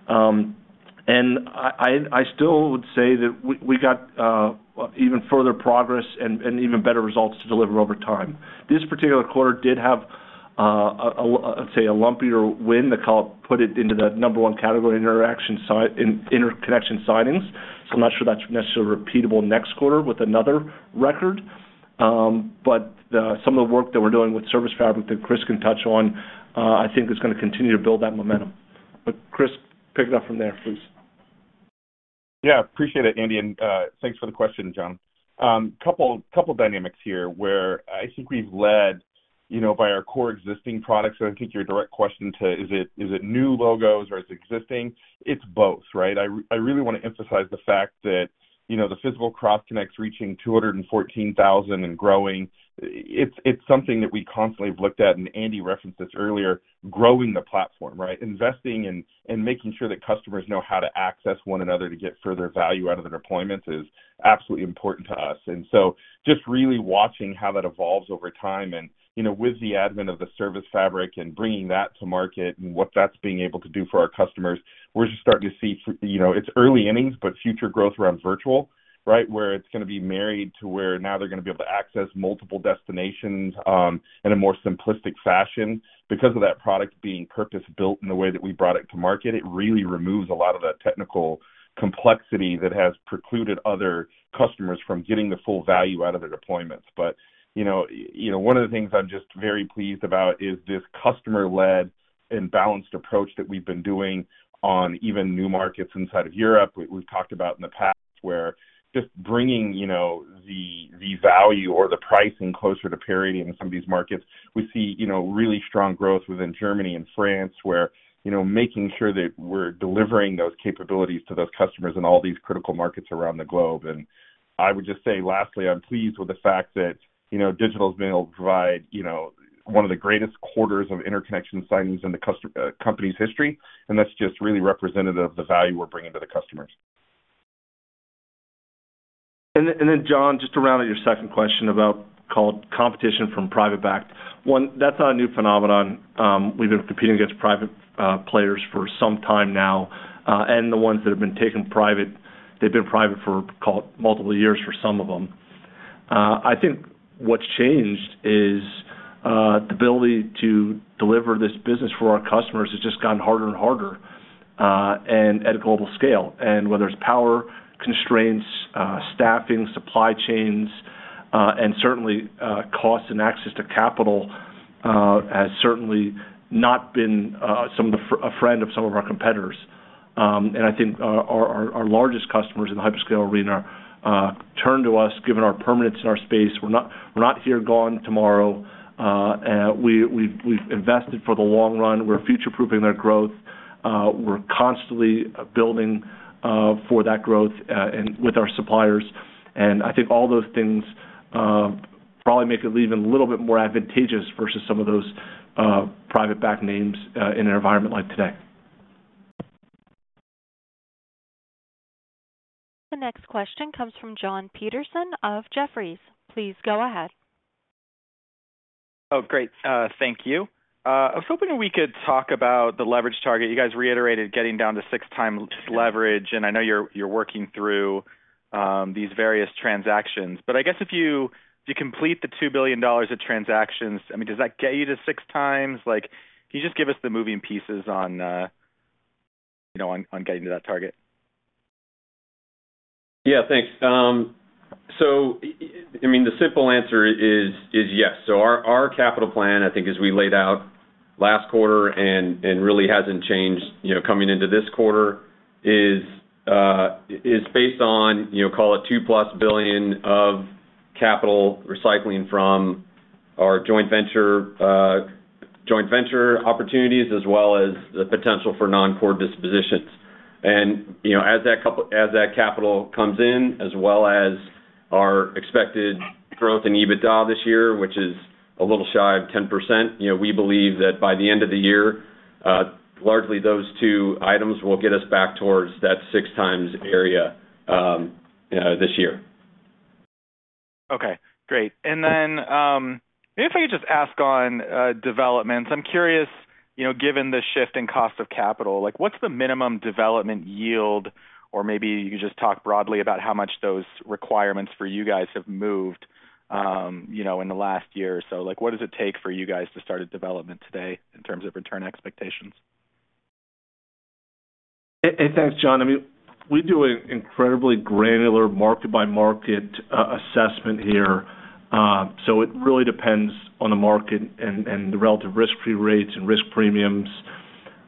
[SPEAKER 3] I, I still would say that we got even further progress and even better results to deliver over time. This particular quarter did have a, let's say, a lumpier win that kind of put it into the number one category in interconnection signings, so I'm not sure that's necessarily repeatable next quarter with another record. Some of the work that we're doing with ServiceFabric that Chris can touch on, I think is gonna continue to build that momentum. Chris, pick it up from there, please.
[SPEAKER 8] Appreciate it, Andy, thanks for the question, Jon. Couple dynamics here where I think we've led, you know, by our core existing products. I think your direct question to is it new logos or it's existing? It's both, right? I really wanna emphasize the fact that, you know, the physical cross connects reaching 214,000 and growing. It's something that we constantly have looked at, and Andy referenced this earlier, growing the platform, right? Investing and making sure that customers know how to access one another to get further value out of their deployments is absolutely important to us. Just really watching how that evolves over time and, you know, with the advent of the ServiceFabric and bringing that to market and what that's being able to do for our customers, we're just starting to see, you know, it's early innings, but future growth around virtual, right? Where it's gonna be married to where now they're gonna be able to access multiple destinations in a more simplistic fashion. Because of that product being purpose-built in the way that we brought it to market, it really removes a lot of that technical complexity that has precluded other customers from getting the full value out of their deployments. You know, one of the things I'm just very pleased about is this customer-led balanced approach that we've been doing on even new markets inside of Europe. We've talked about in the past where just bringing, you know, the value or the pricing closer to parity in some of these markets. We see, you know, really strong growth within Germany and France, where, you know, making sure that we're delivering those capabilities to those customers in all these critical markets around the globe. I would just say, lastly, I'm pleased with the fact that, you know, Digital's been able to provide, you know, one of the greatest quarters of interconnection signings in the company's history, and that's just really representative of the value we're bringing to the customers.
[SPEAKER 3] Jon, just to round out your second question about competition from private backed. One, that's not a new phenomenon. We've been competing against private players for some time now. The ones that have been taken private, they've been private for multiple years for some of them. I think what's changed is the ability to deliver this business for our customers has just gotten harder and harder and at a global scale. Whether it's power constraints, staffing, supply chains, and certainly, cost and access to capital, has certainly not been a friend of some of our competitors. I think our largest customers in the hyperscale arena turn to us, given our permanence in our space. We're not here, gone tomorrow. We've invested for the long run. We're future-proofing their growth. We're constantly building for that growth and with our suppliers. I think all those things probably make it even a little bit more advantageous versus some of those private-backed names in an environment like today.
[SPEAKER 1] The next question comes from Jon Petersen of Jefferies. Please go ahead.
[SPEAKER 9] Great. Thank you. I was hoping we could talk about the leverage target. You guys reiterated getting down to 6x leverage. I know you're working through these various transactions. I guess if you complete the $2 billion of transactions, I mean, does that get you to 6x? Like, can you just give us the moving pieces on, you know, on getting to that target?
[SPEAKER 4] Yeah, thanks. I mean, the simple answer is yes. Our capital plan, I think as we laid out last quarter and really hasn't changed, you know, coming into this quarter, is based on, you know, call it $2+ billion of capital recycling from our joint venture opportunities, as well as the potential for non-core dispositions. As that capital comes in, as well as our expected growth in EBITDA this year, which is a little shy of 10%. You know, we believe that by the end of the year, largely those two items will get us back towards that 6 times area this year.
[SPEAKER 9] Okay, great. Maybe if I could just ask on developments. I'm curious, you know, given the shift in cost of capital, like what's the minimum development yield? Maybe you could just talk broadly about how much those requirements for you guys have moved, you know, in the last year or so. Like, what does it take for you guys to start a development today in terms of return expectations?
[SPEAKER 3] Thanks, Jon. I mean, we do an incredibly granular market-by-market assessment here. It really depends on the market and the relative risk-free rates and risk premiums.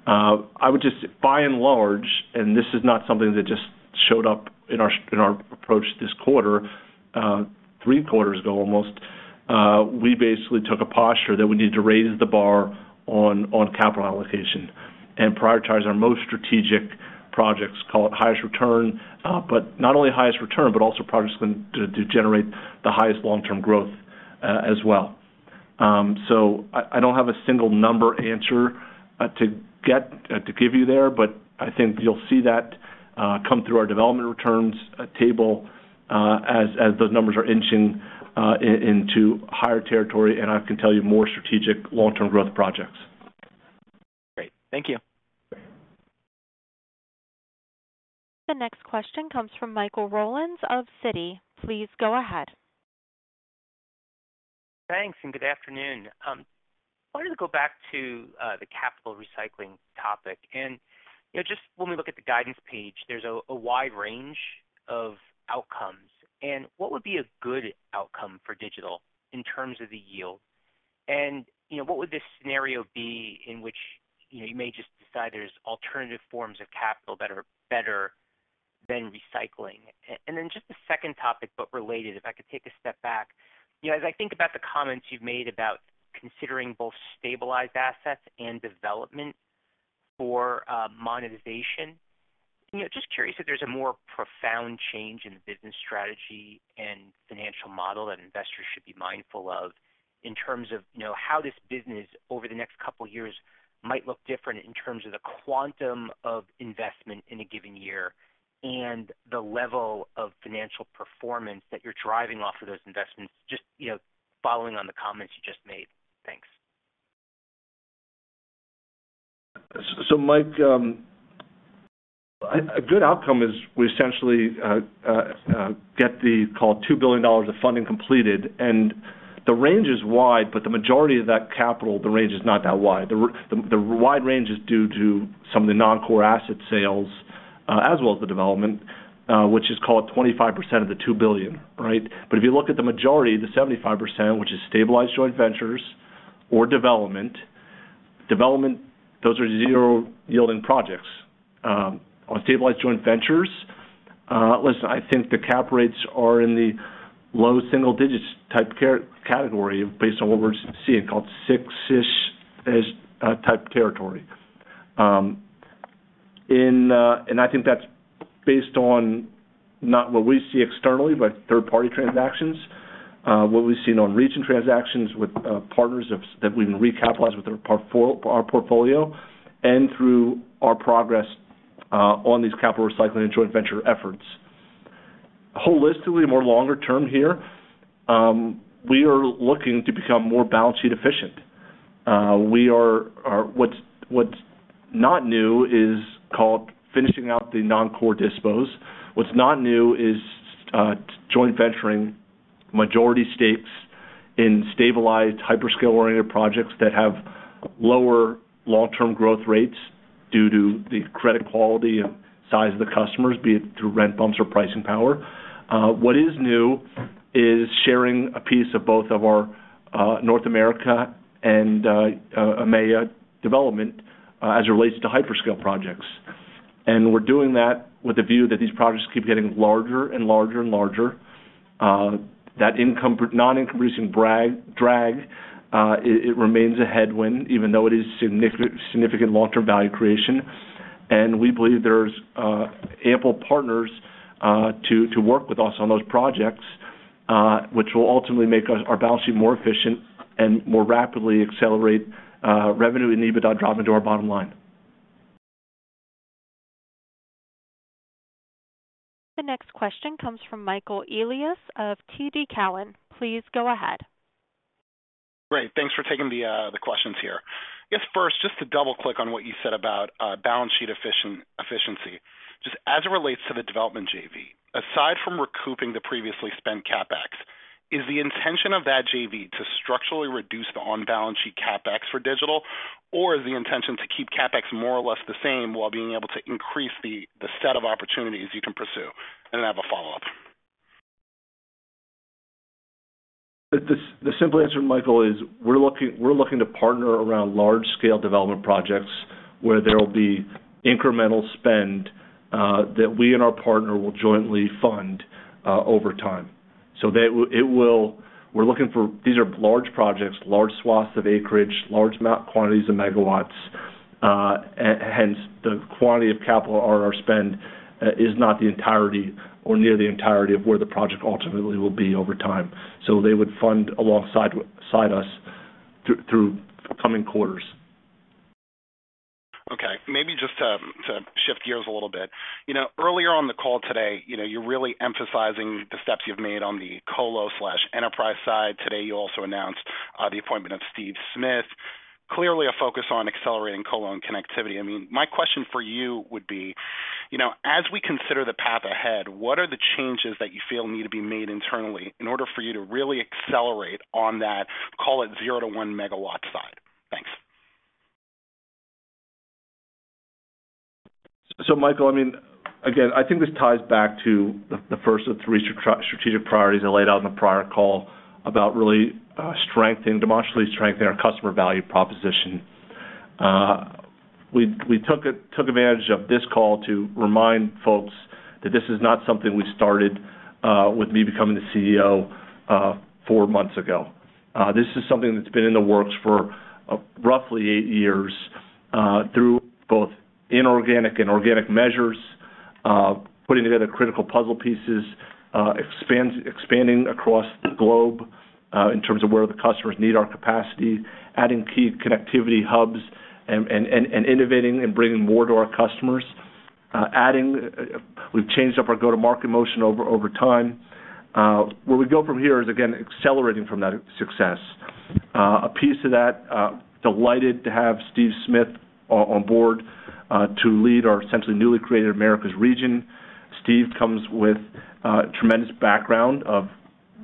[SPEAKER 3] I would just by and large, and this is not something that just showed up in our approach this quarter, three quarters ago almost, we basically took a posture that we need to raise the bar on capital allocation and prioritize our most strategic projects, call it highest return, but not only highest return, but also projects going to generate the highest long-term growth as well. I don't have a single number answer to give you there, but I think you'll see that come through our development returns, table, as those numbers are inching into higher territory, and I can tell you, more strategic long-term growth projects.
[SPEAKER 9] Great. Thank you.
[SPEAKER 1] The next question comes from Michael Rollins of Citi. Please go ahead.
[SPEAKER 10] Thanks, and good afternoon. Wanted to go back to the capital recycling topic. You know, just when we look at the guidance page, there's a wide range of outcomes. What would be a good outcome for Digital in terms of the yield? You know, what would this scenario be in which, you know, you may just decide there's alternative forms of capital that are better than recycling? Then just the second topic, but related, if I could take a step back. You know, as I think about the comments you've made about considering both stabilized assets and development for monetization, you know, just curious if there's a more profound change in the business strategy and financial model that investors should be mindful of in terms of, you know, how this business over the next couple years might look different in terms of the quantum of investment in a given year and the level of financial performance that you're driving off of those investments. Just, you know, following on the comments you just made. Thanks.
[SPEAKER 3] Mike, a good outcome is we essentially get the, call it $2 billion of funding completed. The range is wide, but the majority of that capital, the range is not that wide. The wide range is due to some of the non-core asset sales. As well as the development, which is called 25% of the $2 billion, right? If you look at the majority, the 75%, which is stabilized joint ventures or development, those are zero-yielding projects. On stabilized joint ventures, listen, I think the cap rates are in the low single digits type category based on what we're seeing called six-ish type territory. I think that's based on not what we see externally, but third-party transactions, what we've seen on recent transactions with partners that we can recapitalize with our portfolio and through our progress on these capital recycling and joint venture efforts. Holistically, more longer term here, we are looking to become more balance sheet efficient. We are What's not new is called finishing out the non-core dispos. What's not new is joint venturing majority stakes in stabilized hyperscale-oriented projects that have lower long-term growth rates due to the credit quality and size of the customers, be it through rent bumps or pricing power. What is new is sharing a piece of both of our North America and EMEA development as it relates to hyperscale projects. We're doing that with the view that these projects keep getting larger and larger and larger. That non-income producing drag it remains a headwind even though it is significant long-term value creation. We believe there's ample partners to work with us on those projects, which will ultimately make our balance sheet more efficient and more rapidly accelerate revenue and EBITDA driving to our bottom line.
[SPEAKER 1] The next question comes from Michael Elias of TD Cowen. Please go ahead.
[SPEAKER 11] Great. Thanks for taking the questions here. If first, just to double-click on what you said about balance sheet efficiency, just as it relates to the development JV, aside from recouping the previously spent CapEx, is the intention of that JV to structurally reduce the on-balance sheet CapEx for Digital Realty, or is the intention to keep CapEx more or less the same while being able to increase the set of opportunities you can pursue? I have a follow-up.
[SPEAKER 3] The simple answer, Michael, is we're looking to partner around large-scale development projects where there will be incremental spend that we and our partner will jointly fund over time. We're looking for... These are large projects, large swaths of acreage, large amount quantities of megawatts. Hence, the quantity of capital or our spend is not the entirety or near the entirety of where the project ultimately will be over time. They would fund alongside us through coming quarters.
[SPEAKER 11] Okay. Maybe just to shift gears a little bit. You know, earlier on the call today, you know, you're really emphasizing the steps you've made on the colo/enterprise side. Today, you also announced the appointment of Steve Smith. Clearly a focus on accelerating colo and connectivity. I mean, my question for you would be, you know, as we consider the path ahead, what are the changes that you feel need to be made internally in order for you to really accelerate on that, call it 0-1 MW side? Thanks.
[SPEAKER 3] Michael, I mean, again, I think this ties back to the first of three strategic priorities I laid out in the prior call about really strengthening, demonstratively strengthening our customer value proposition. We took advantage of this call to remind folks that this is not something we started with me becoming the CEO four months ago. This is something that's been in the works for roughly eight years through both inorganic and organic measures, putting together critical puzzle pieces, expanding across the globe in terms of where the customers need our capacity, adding key connectivity hubs and innovating and bringing more to our customers. We've changed up our go-to-market motion over time. Where we go from here is, again, accelerating from that success. A piece of that, delighted to have Steve Smith on board, to lead our essentially newly created Americas region. Steve comes with a tremendous background of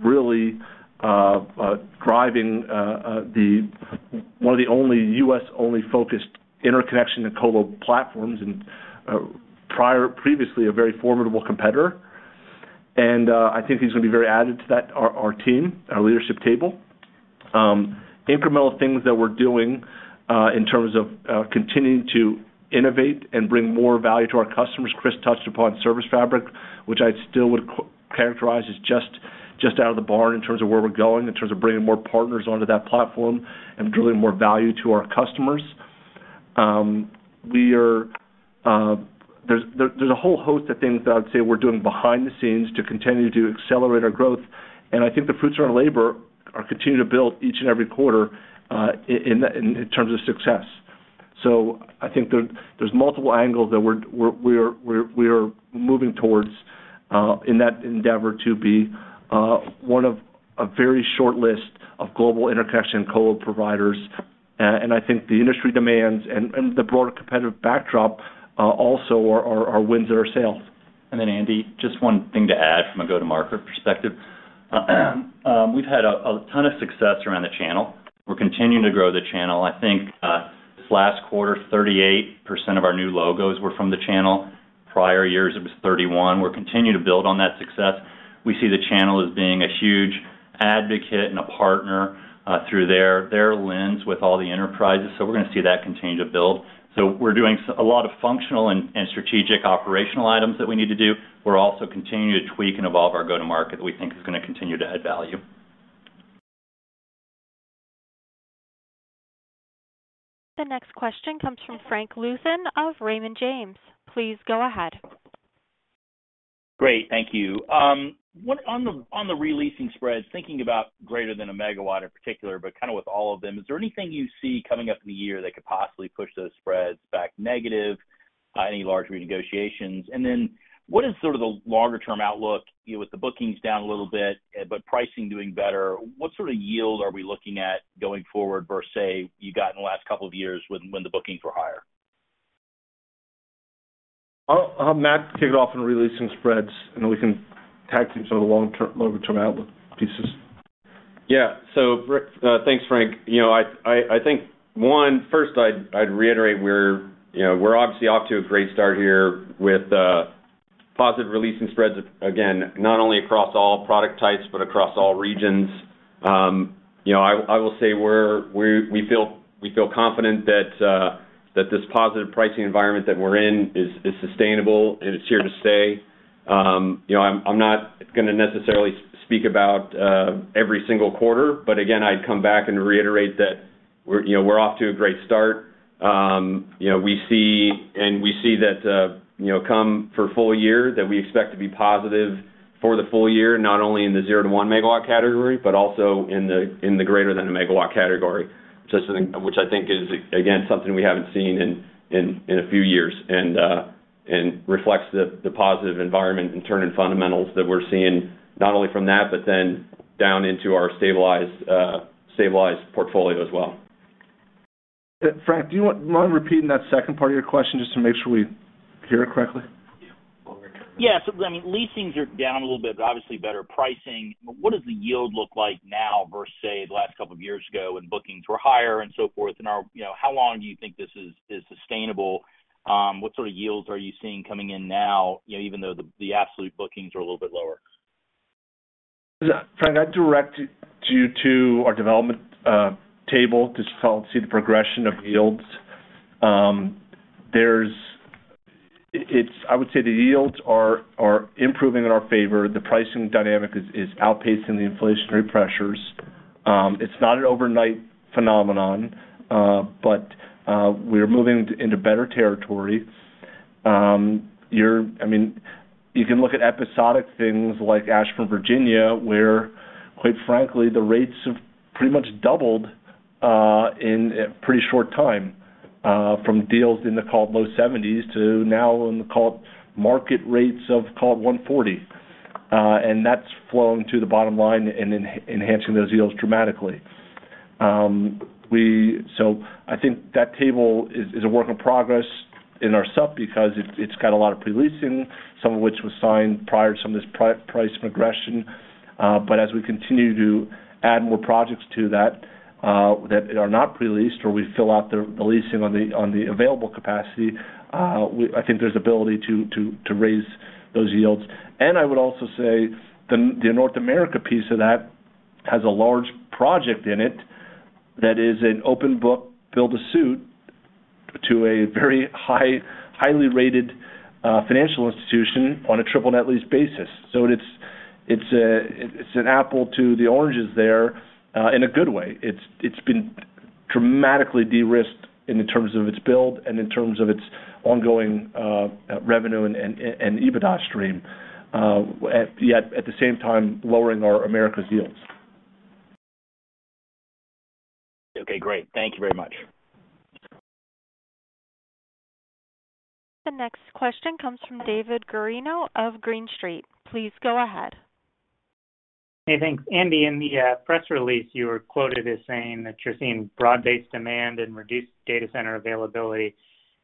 [SPEAKER 3] really driving one of the only U.S. only focused Interconnection and Colo platforms and previously a very formidable competitor. I think he's gonna be very added to that, our team, our leadership table. Incremental things that we're doing in terms of continuing to innovate and bring more value to our customers. Chris touched upon ServiceFabric, which I still would characterize as just out of the barn in terms of where we're going, in terms of bringing more partners onto that platform and delivering more value to our customers. We are... There's a whole host of things that I'd say we're doing behind the scenes to continue to accelerate our growth. I think the fruits of our labor are continuing to build each and every quarter in terms of success. I think there's multiple angles that we're moving towards in that endeavor to be one of a very short list of global interconnection colo providers. I think the industry demands and the broader competitive backdrop also are winds at our sails.
[SPEAKER 6] Andy, just one thing to add from a go-to-market perspective. We've had a ton of success around the channel. We're continuing to grow the channel. I think, this last quarter, 38% of our new logos were from the channel. Prior years, it was 31. We'll continue to build on that success. We see the channel as being a huge advocate and a partner, through their lens with all the enterprises. We're going to see that continue to build. We're doing a lot of functional and strategic operational items that we need to do. We're also continuing to tweak and evolve our go-to-market we think is going to continue to add value.
[SPEAKER 1] The next question comes from Frank Louthan of Raymond James. Please go ahead.
[SPEAKER 12] Great. Thank you. What on the re-leasing spreads, thinking about >1 MW in particular, but kind of with all of them, is there anything you see coming up in the year that could possibly push those spreads back negative by any large renegotiations? What is sort of the longer term outlook, you know, with the bookings down a little bit, but pricing doing better, what sort of yield are we looking at going forward versus say, you got in the last couple of years when the bookings were higher?
[SPEAKER 3] I'll have Matt kick it off in re-leasing spreads, and then we can tag team some of the longer term outlook pieces.
[SPEAKER 4] Thanks, Frank. I think first I'd reiterate we're obviously off to a great start here with positive re-leasing spreads, again, not only across all product types, but across all regions. I will say we feel confident that this positive pricing environment that we're in is sustainable and it's here to stay. I'm not going to necessarily speak about every single quarter, but again, I'd come back and reiterate that we're off to a great start. We see... We see that, you know, come for full year, that we expect to be positive for the full year, not only in the 0-1 MW category, but also in the >1 MW category. Which I think is, again, something we haven't seen in a few years and reflects the positive environment and turning fundamentals that we're seeing not only from that, but then down into our stabilized portfolio as well.
[SPEAKER 3] Frank, mind repeating that second part of your question just to make sure we hear it correctly?
[SPEAKER 12] Yeah. I mean, leasings are down a little bit, but obviously better pricing. What does the yield look like now versus, say, the last couple of years ago when bookings were higher and so forth? Are, you know, how long do you think this is sustainable? What sort of yields are you seeing coming in now, you know, even though the absolute bookings are a little bit lower?
[SPEAKER 3] Yeah. Frank, I'd direct you to our development table to see the progression of yields. I would say the yields are improving in our favor. The pricing dynamic is outpacing the inflationary pressures. It's not an overnight phenomenon, but we're moving into better territory. I mean, you can look at episodic things like Ashburn, Virginia, where quite frankly, the rates have pretty much doubled in a pretty short time from deals in the call low 70s to now in the call market rates of call 140. That's flowing to the bottom line and enhancing those yields dramatically. I think that table is a work in progress in ourself because it's got a lot of pre-leasing, some of which was signed prior to some of this price progression. But as we continue to add more projects to that are not pre-leased or we fill out the leasing on the available capacity. I think there's ability to raise those yields. I would also say the North America piece of that has a large project in it that is an open book, build to suit to a very highly rated financial institution on a triple net lease basis. So it's an apple to the oranges there, in a good way. It's been dramatically de-risked in the terms of its build and in terms of its ongoing revenue and EBITDA stream, yet at the same time, lowering our Americas yields.
[SPEAKER 12] Okay, great. Thank you very much.
[SPEAKER 1] The next question comes from David Guarino of Green Street. Please go ahead.
[SPEAKER 13] Hey, thanks. Andy, in the press release, you were quoted as saying that you're seeing broad-based demand and reduced data center availability.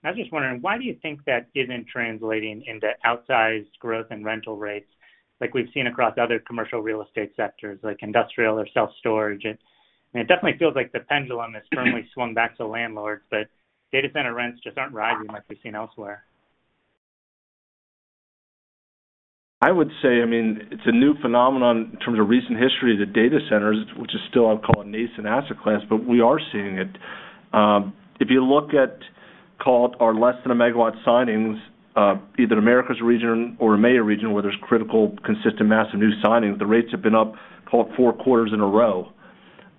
[SPEAKER 13] I was just wondering why do you think that isn't translating into outsized growth and rental rates like we've seen across other commercial real estate sectors like industrial or self-storage? I mean, it definitely feels like the pendulum has firmly swung back to landlords, but data center rents just aren't rising like we've seen elsewhere.
[SPEAKER 3] I would say, I mean, it's a new phenomenon in terms of recent history of the data centers, which is still, I would call a nascent asset class, but we are seeing it. If you look at call it our less than a megawatt signings, either in Americas region or EMEA region, where there's critical, consistent, massive new signings, the rates have been up call it 4 quarters in a row.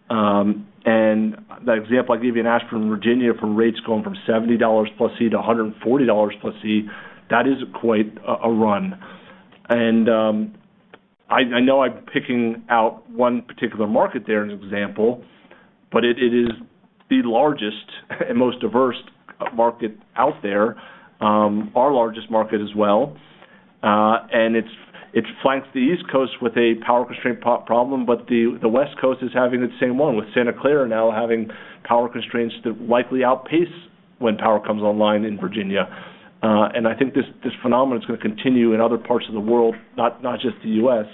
[SPEAKER 3] The example I gave you in Ashburn, Virginia, from rates going from $70 plus C to $140 plus C, that is quite a run. I know I'm picking out one particular market there as an example, but it is the largest and most diverse market out there, our largest market as well. It's, it flanks the East Coast with a power constraint problem, but the West Coast is having the same one, with Santa Clara now having power constraints that likely outpace when power comes online in Virginia. I think this phenomenon is gonna continue in other parts of the world, not just the U.S.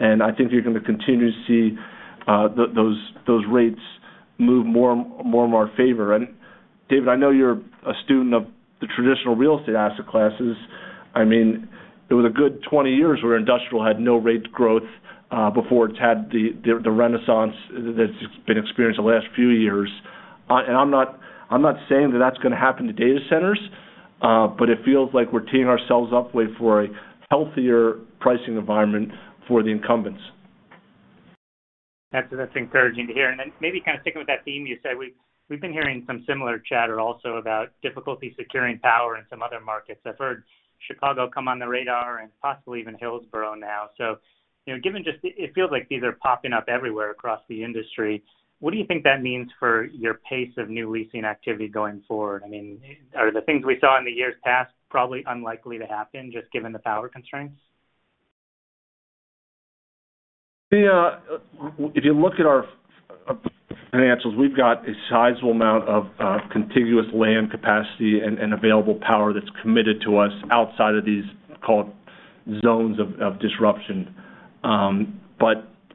[SPEAKER 3] I think you're gonna continue to see those rates move more in our favor. David, I know you're a student of the traditional real estate asset classes. I mean, it was a good 20 years where industrial had no rate growth before it's had the renaissance that's been experienced the last few years. I'm not saying that that's gonna happen to data centers, but it feels like we're teeing ourselves up way for a healthier pricing environment for the incumbents.
[SPEAKER 13] That's encouraging to hear. Maybe kind of sticking with that theme, you said we've been hearing some similar chatter also about difficulty securing power in some other markets. I've heard Chicago come on the radar and possibly even Hillsboro now. You know, given it feels like these are popping up everywhere across the industry. What do you think that means for your pace of new leasing activity going forward? I mean, are the things we saw in the years past probably unlikely to happen just given the power constraints?
[SPEAKER 3] If you look at our financials, we've got a sizable amount of contiguous land capacity and available power that's committed to us outside of these call it zones of disruption.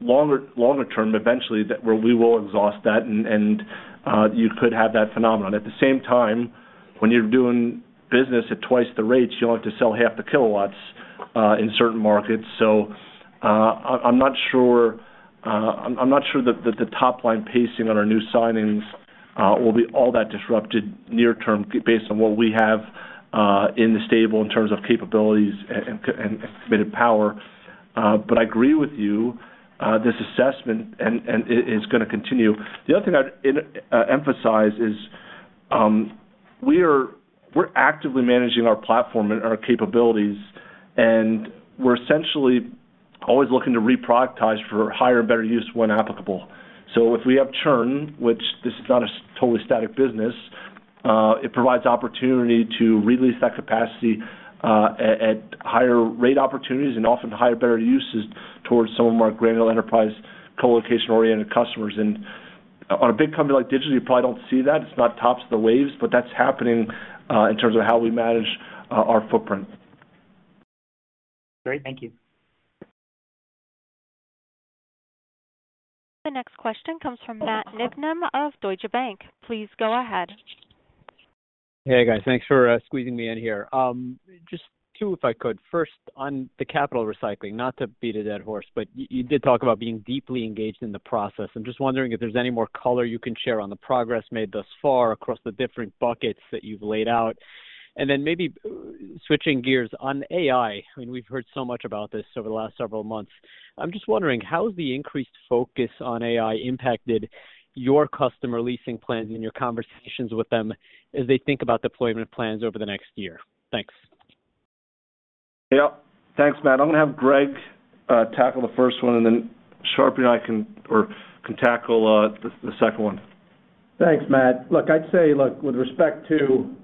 [SPEAKER 3] Longer term, eventually, that we will exhaust that and you could have that phenomenon. At the same time, when you're doing business at twice the rates, you'll have to sell half the kilowatts in certain markets. I'm not sure that the top line pacing on our new signings will be all that disrupted near term based on what we have in the stable in terms of capabilities and committed power. I agree with you, this assessment and it is gonna continue. The other thing I'd emphasize is, we're actively managing our platform and our capabilities, and we're essentially always looking to re-productize for higher and better use when applicable. If we have churn, which this is not a totally static business, it provides opportunity to re-lease that capacity at higher rate opportunities and often higher better uses towards some of our granular enterprise colocation-oriented customers. On a big company like Digital, you probably don't see that. It's not tops of the waves, but that's happening in terms of how we manage our footprint.
[SPEAKER 13] Great. Thank you.
[SPEAKER 1] The next question comes from Matt Niknam of Deutsche Bank. Please go ahead.
[SPEAKER 14] Hey, guys. Thanks for squeezing me in here. Just two, if I could. First, on the capital recycling, not to beat a dead horse, but you did talk about being deeply engaged in the process. I'm just wondering if there's any more color you can share on the progress made thus far across the different buckets that you've laid out. Then maybe switching gears on AI, I mean, we've heard so much about this over the last several months. I'm just wondering, how has the increased focus on AI impacted your customer leasing plans and your conversations with them as they think about deployment plans over the next year? Thanks.
[SPEAKER 3] Yeah. Thanks, Matt. I'm gonna have Greg tackle the first one, and then Sharpie and I can tackle the second one.
[SPEAKER 15] Thanks, Matt. I'd say, with respect to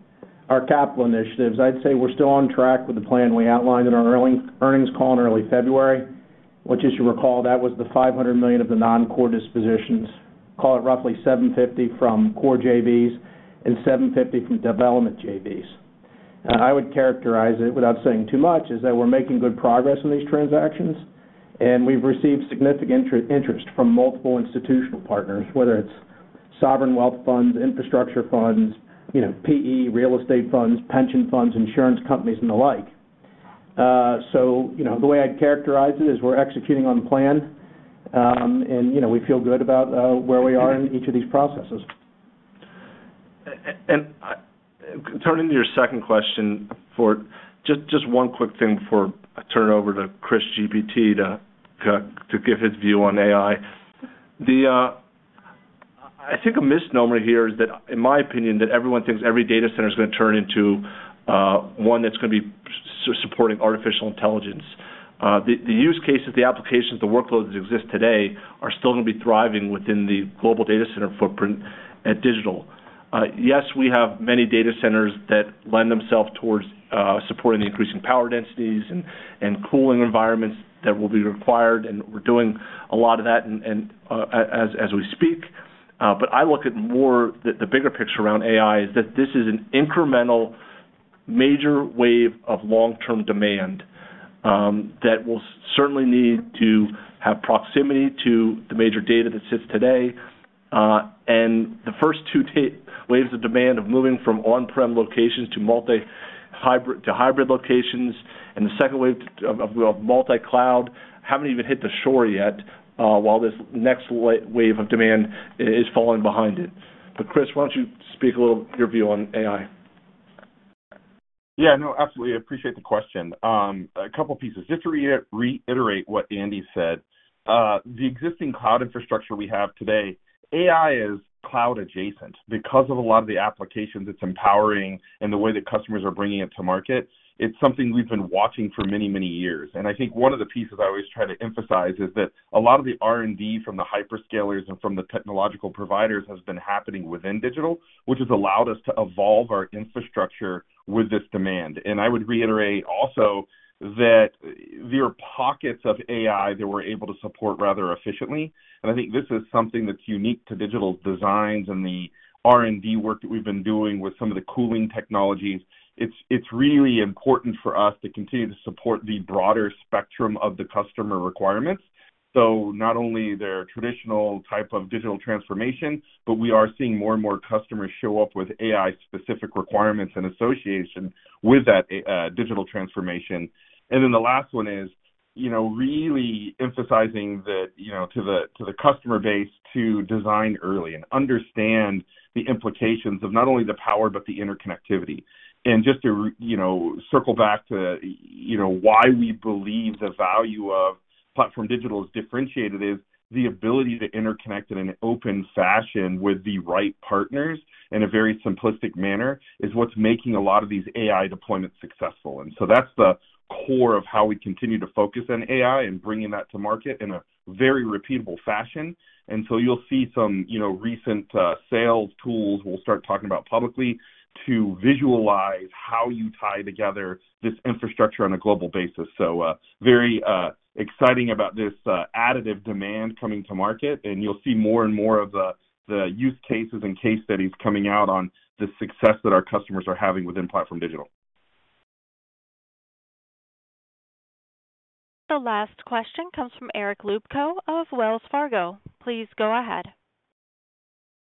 [SPEAKER 15] our capital initiatives, I'd say we're still on track with the plan we outlined in our earnings call in early February, which, as you recall, that was the $500 million of the non-core dispositions. Roughly $750 from core JVs and $750 from development JVs. I would characterize it, without saying too much, is that we're making good progress in these transactions, and we've received significant interest from multiple institutional partners, whether it's sovereign wealth funds, infrastructure funds, you know, PE, real estate funds, pension funds, insurance companies, and the like. The way I'd characterize it is we're executing on plan, and, you know, we feel good about where we are in each of these processes.
[SPEAKER 3] Turning to your second question for just one quick thing before I turn it over to Chris Sharp to give his view on AI. The I think a misnomer here is that, in my opinion, that everyone thinks every data center is gonna turn into one that's gonna be supporting artificial intelligence. The use cases, the applications, the workloads that exist today are still gonna be thriving within the global data center footprint at Digital Realty. Yes, we have many data centers that lend themselves towards supporting the increasing power densities and cooling environments that will be required, and we're doing a lot of that and, as we speak. I look at more the bigger picture around AI is that this is an incremental major wave of long-term demand that will certainly need to have proximity to the major data that sits today. The first two waves of demand of moving from on-prem locations to multi, to hybrid locations, and the second wave of multi-cloud haven't even hit the shore yet, while this next wave of demand is falling behind it. Chris, why don't you speak a little your view on AI?
[SPEAKER 8] Yeah, no, absolutely. I appreciate the question. A couple pieces. Just to reiterate what Andy said, the existing cloud infrastructure we have today, AI is cloud adjacent because of a lot of the applications it's empowering and the way that customers are bringing it to market. It's something we've been watching for many, many years. I think one of the pieces I always try to emphasize is that a lot of the R&D from the hyperscalers and from the technological providers has been happening within Digital, which has allowed us to evolve our infrastructure with this demand. I would reiterate also that there are pockets of AI that we're able to support rather efficiently. I think this is something that's unique to Digital's designs and the R&D work that we've been doing with some of the cooling technologies. It's really important for us to continue to support the broader spectrum of the customer requirements. Not only their traditional type of digital transformation, but we are seeing more and more customers show up with AI-specific requirements in association with that digital transformation. The last one is, you know, really emphasizing that, you know, to the customer base to design early and understand the implications of not only the power, but the interconnectivity. Just to, you know, circle back to, you know, why we believe the value of PlatformDIGITAL is differentiated is the ability to interconnect in an open fashion with the right partners in a very simplistic manner is what's making a lot of these AI deployments successful. That's the core of how we continue to focus on AI and bringing that to market in a very repeatable fashion. You'll see some, you know, recent sales tools we'll start talking about publicly to visualize how you tie together this infrastructure on a global basis. Very exciting about this additive demand coming to market, and you'll see more and more of the use cases and case studies coming out on the success that our customers are having within PlatformDIGITAL.
[SPEAKER 1] The last question comes from Eric Luebchow of Wells Fargo. Please go ahead.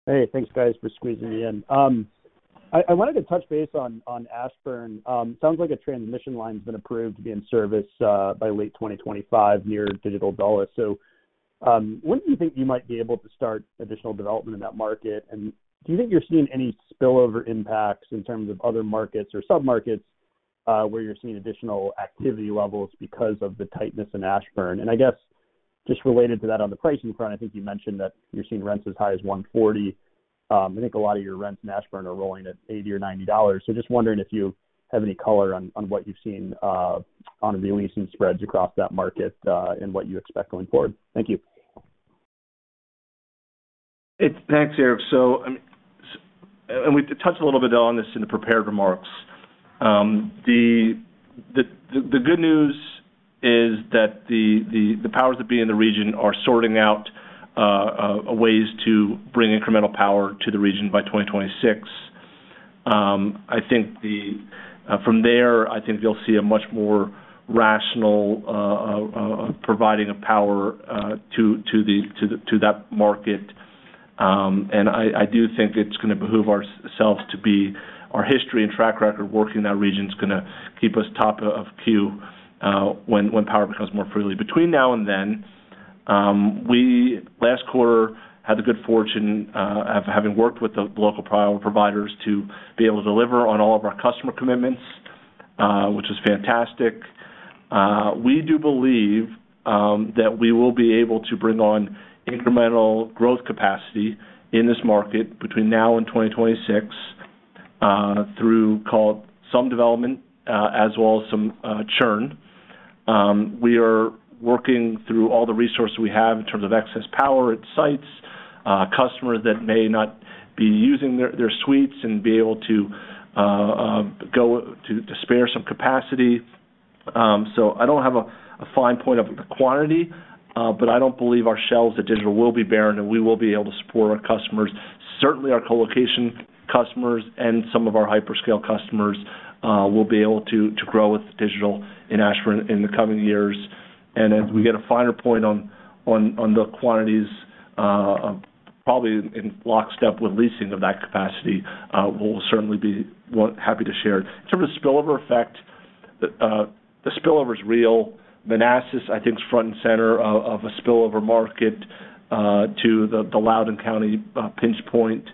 [SPEAKER 16] Hey, thanks, guys, for squeezing me in. I wanted to touch base on Ashburn. Sounds like a transmission line's been approved to be in service by late 2025 near Digital Dulles. When do you think you might be able to start additional development in that market? Do you think you're seeing any spillover impacts in terms of other markets or submarkets, where you're seeing additional activity levels because of the tightness in Ashburn? I guess just related to that on the pricing front, I think you mentioned that you're seeing rents as high as $140. I think a lot of your rents in Ashburn are rolling at $80 or $90. Just wondering if you have any color on what you've seen on leasing spreads across that market and what you expect going forward. Thank you.
[SPEAKER 3] Thanks, Eric. We've touched a little bit on this in the prepared remarks. The good news is that the powers that be in the region are sorting out ways to bring incremental power to the region by 2026. From there, I think you'll see a much more rational providing of power to that market. I do think it's gonna behoove ourself to be our history and track record working in that region is gonna keep us top of queue when power becomes more freely. Between now and then, we last quarter had the good fortune of having worked with the local power providers to be able to deliver on all of our customer commitments, which is fantastic. We do believe that we will be able to bring on incremental growth capacity in this market between now and 2026, through call some development, as well as some churn. We are working through all the resources we have in terms of excess power at sites, customers that may not be using their suites and be able to go to spare some capacity. I don't have a fine point of quantity, but I don't believe our shelves at Digital will be barren and we will be able to support our customers. Certainly, our colocation customers and some of our hyperscale customers, will be able to grow with Digital in Ashburn in the coming years. As we get a finer point on the quantities, probably in lockstep with leasing of that capacity, we'll certainly be happy to share. In terms of spillover effect, the spillover is real. Manassas, I think, is front and center of a spillover market to the Loudoun County pinch point.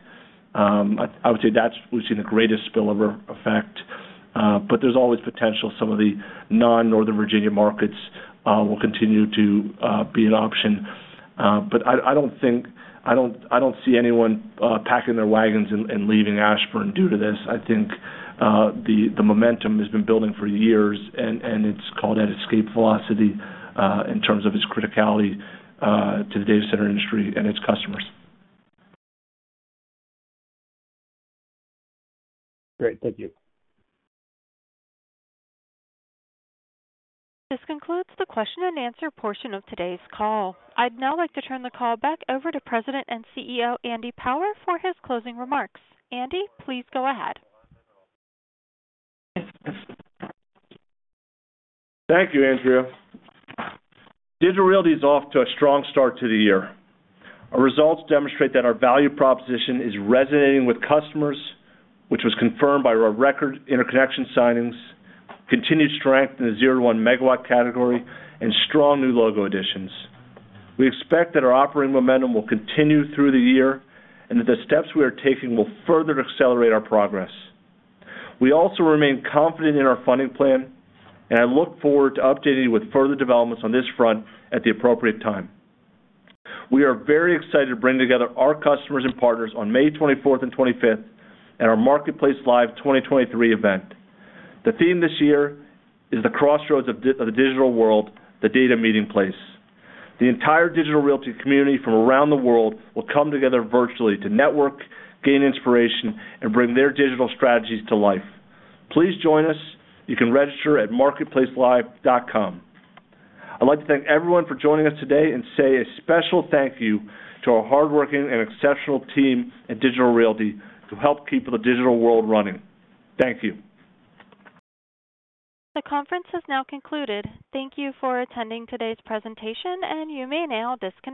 [SPEAKER 3] I would say that's where we've seen the greatest spillover effect, but there's always potential some of the non-Northern Virginia markets will continue to be an option. I don't see anyone packing their wagons and leaving Ashburn due to this. I think the momentum has been building for years and it's called at escape velocity in terms of its criticality to the data center industry and its customers.
[SPEAKER 16] Great. Thank you.
[SPEAKER 1] This concludes the question and answer portion of today's call. I'd now like to turn the call back over to President and CEO, Andy Power for his closing remarks. Andy, please go ahead.
[SPEAKER 3] Thank you, Andrea. Digital Realty is off to a strong start to the year. Our results demonstrate that our value proposition is resonating with customers, which was confirmed by our record interconnection signings, continued strength in the 0-1 MW category, and strong new logo additions. We expect that our operating momentum will continue through the year and that the steps we are taking will further accelerate our progress. We also remain confident in our funding plan, and I look forward to updating you with further developments on this front at the appropriate time. We are very excited to bring together our customers and partners on May 24th and 25th at our MarketplaceLIVE 2023 event. The theme this year is The Crossroads of the Digital World: The Data Meeting Place. The entire Digital Realty community from around the world will come together virtually to network, gain inspiration, and bring their digital strategies to life. Please join us. You can register at marketplacelive.com. I'd like to thank everyone for joining us today and say a special thank you to our hardworking and exceptional team at Digital Realty to help keep the digital world running. Thank you.
[SPEAKER 1] The conference has now concluded. Thank you for attending today's presentation, you may now disconnect.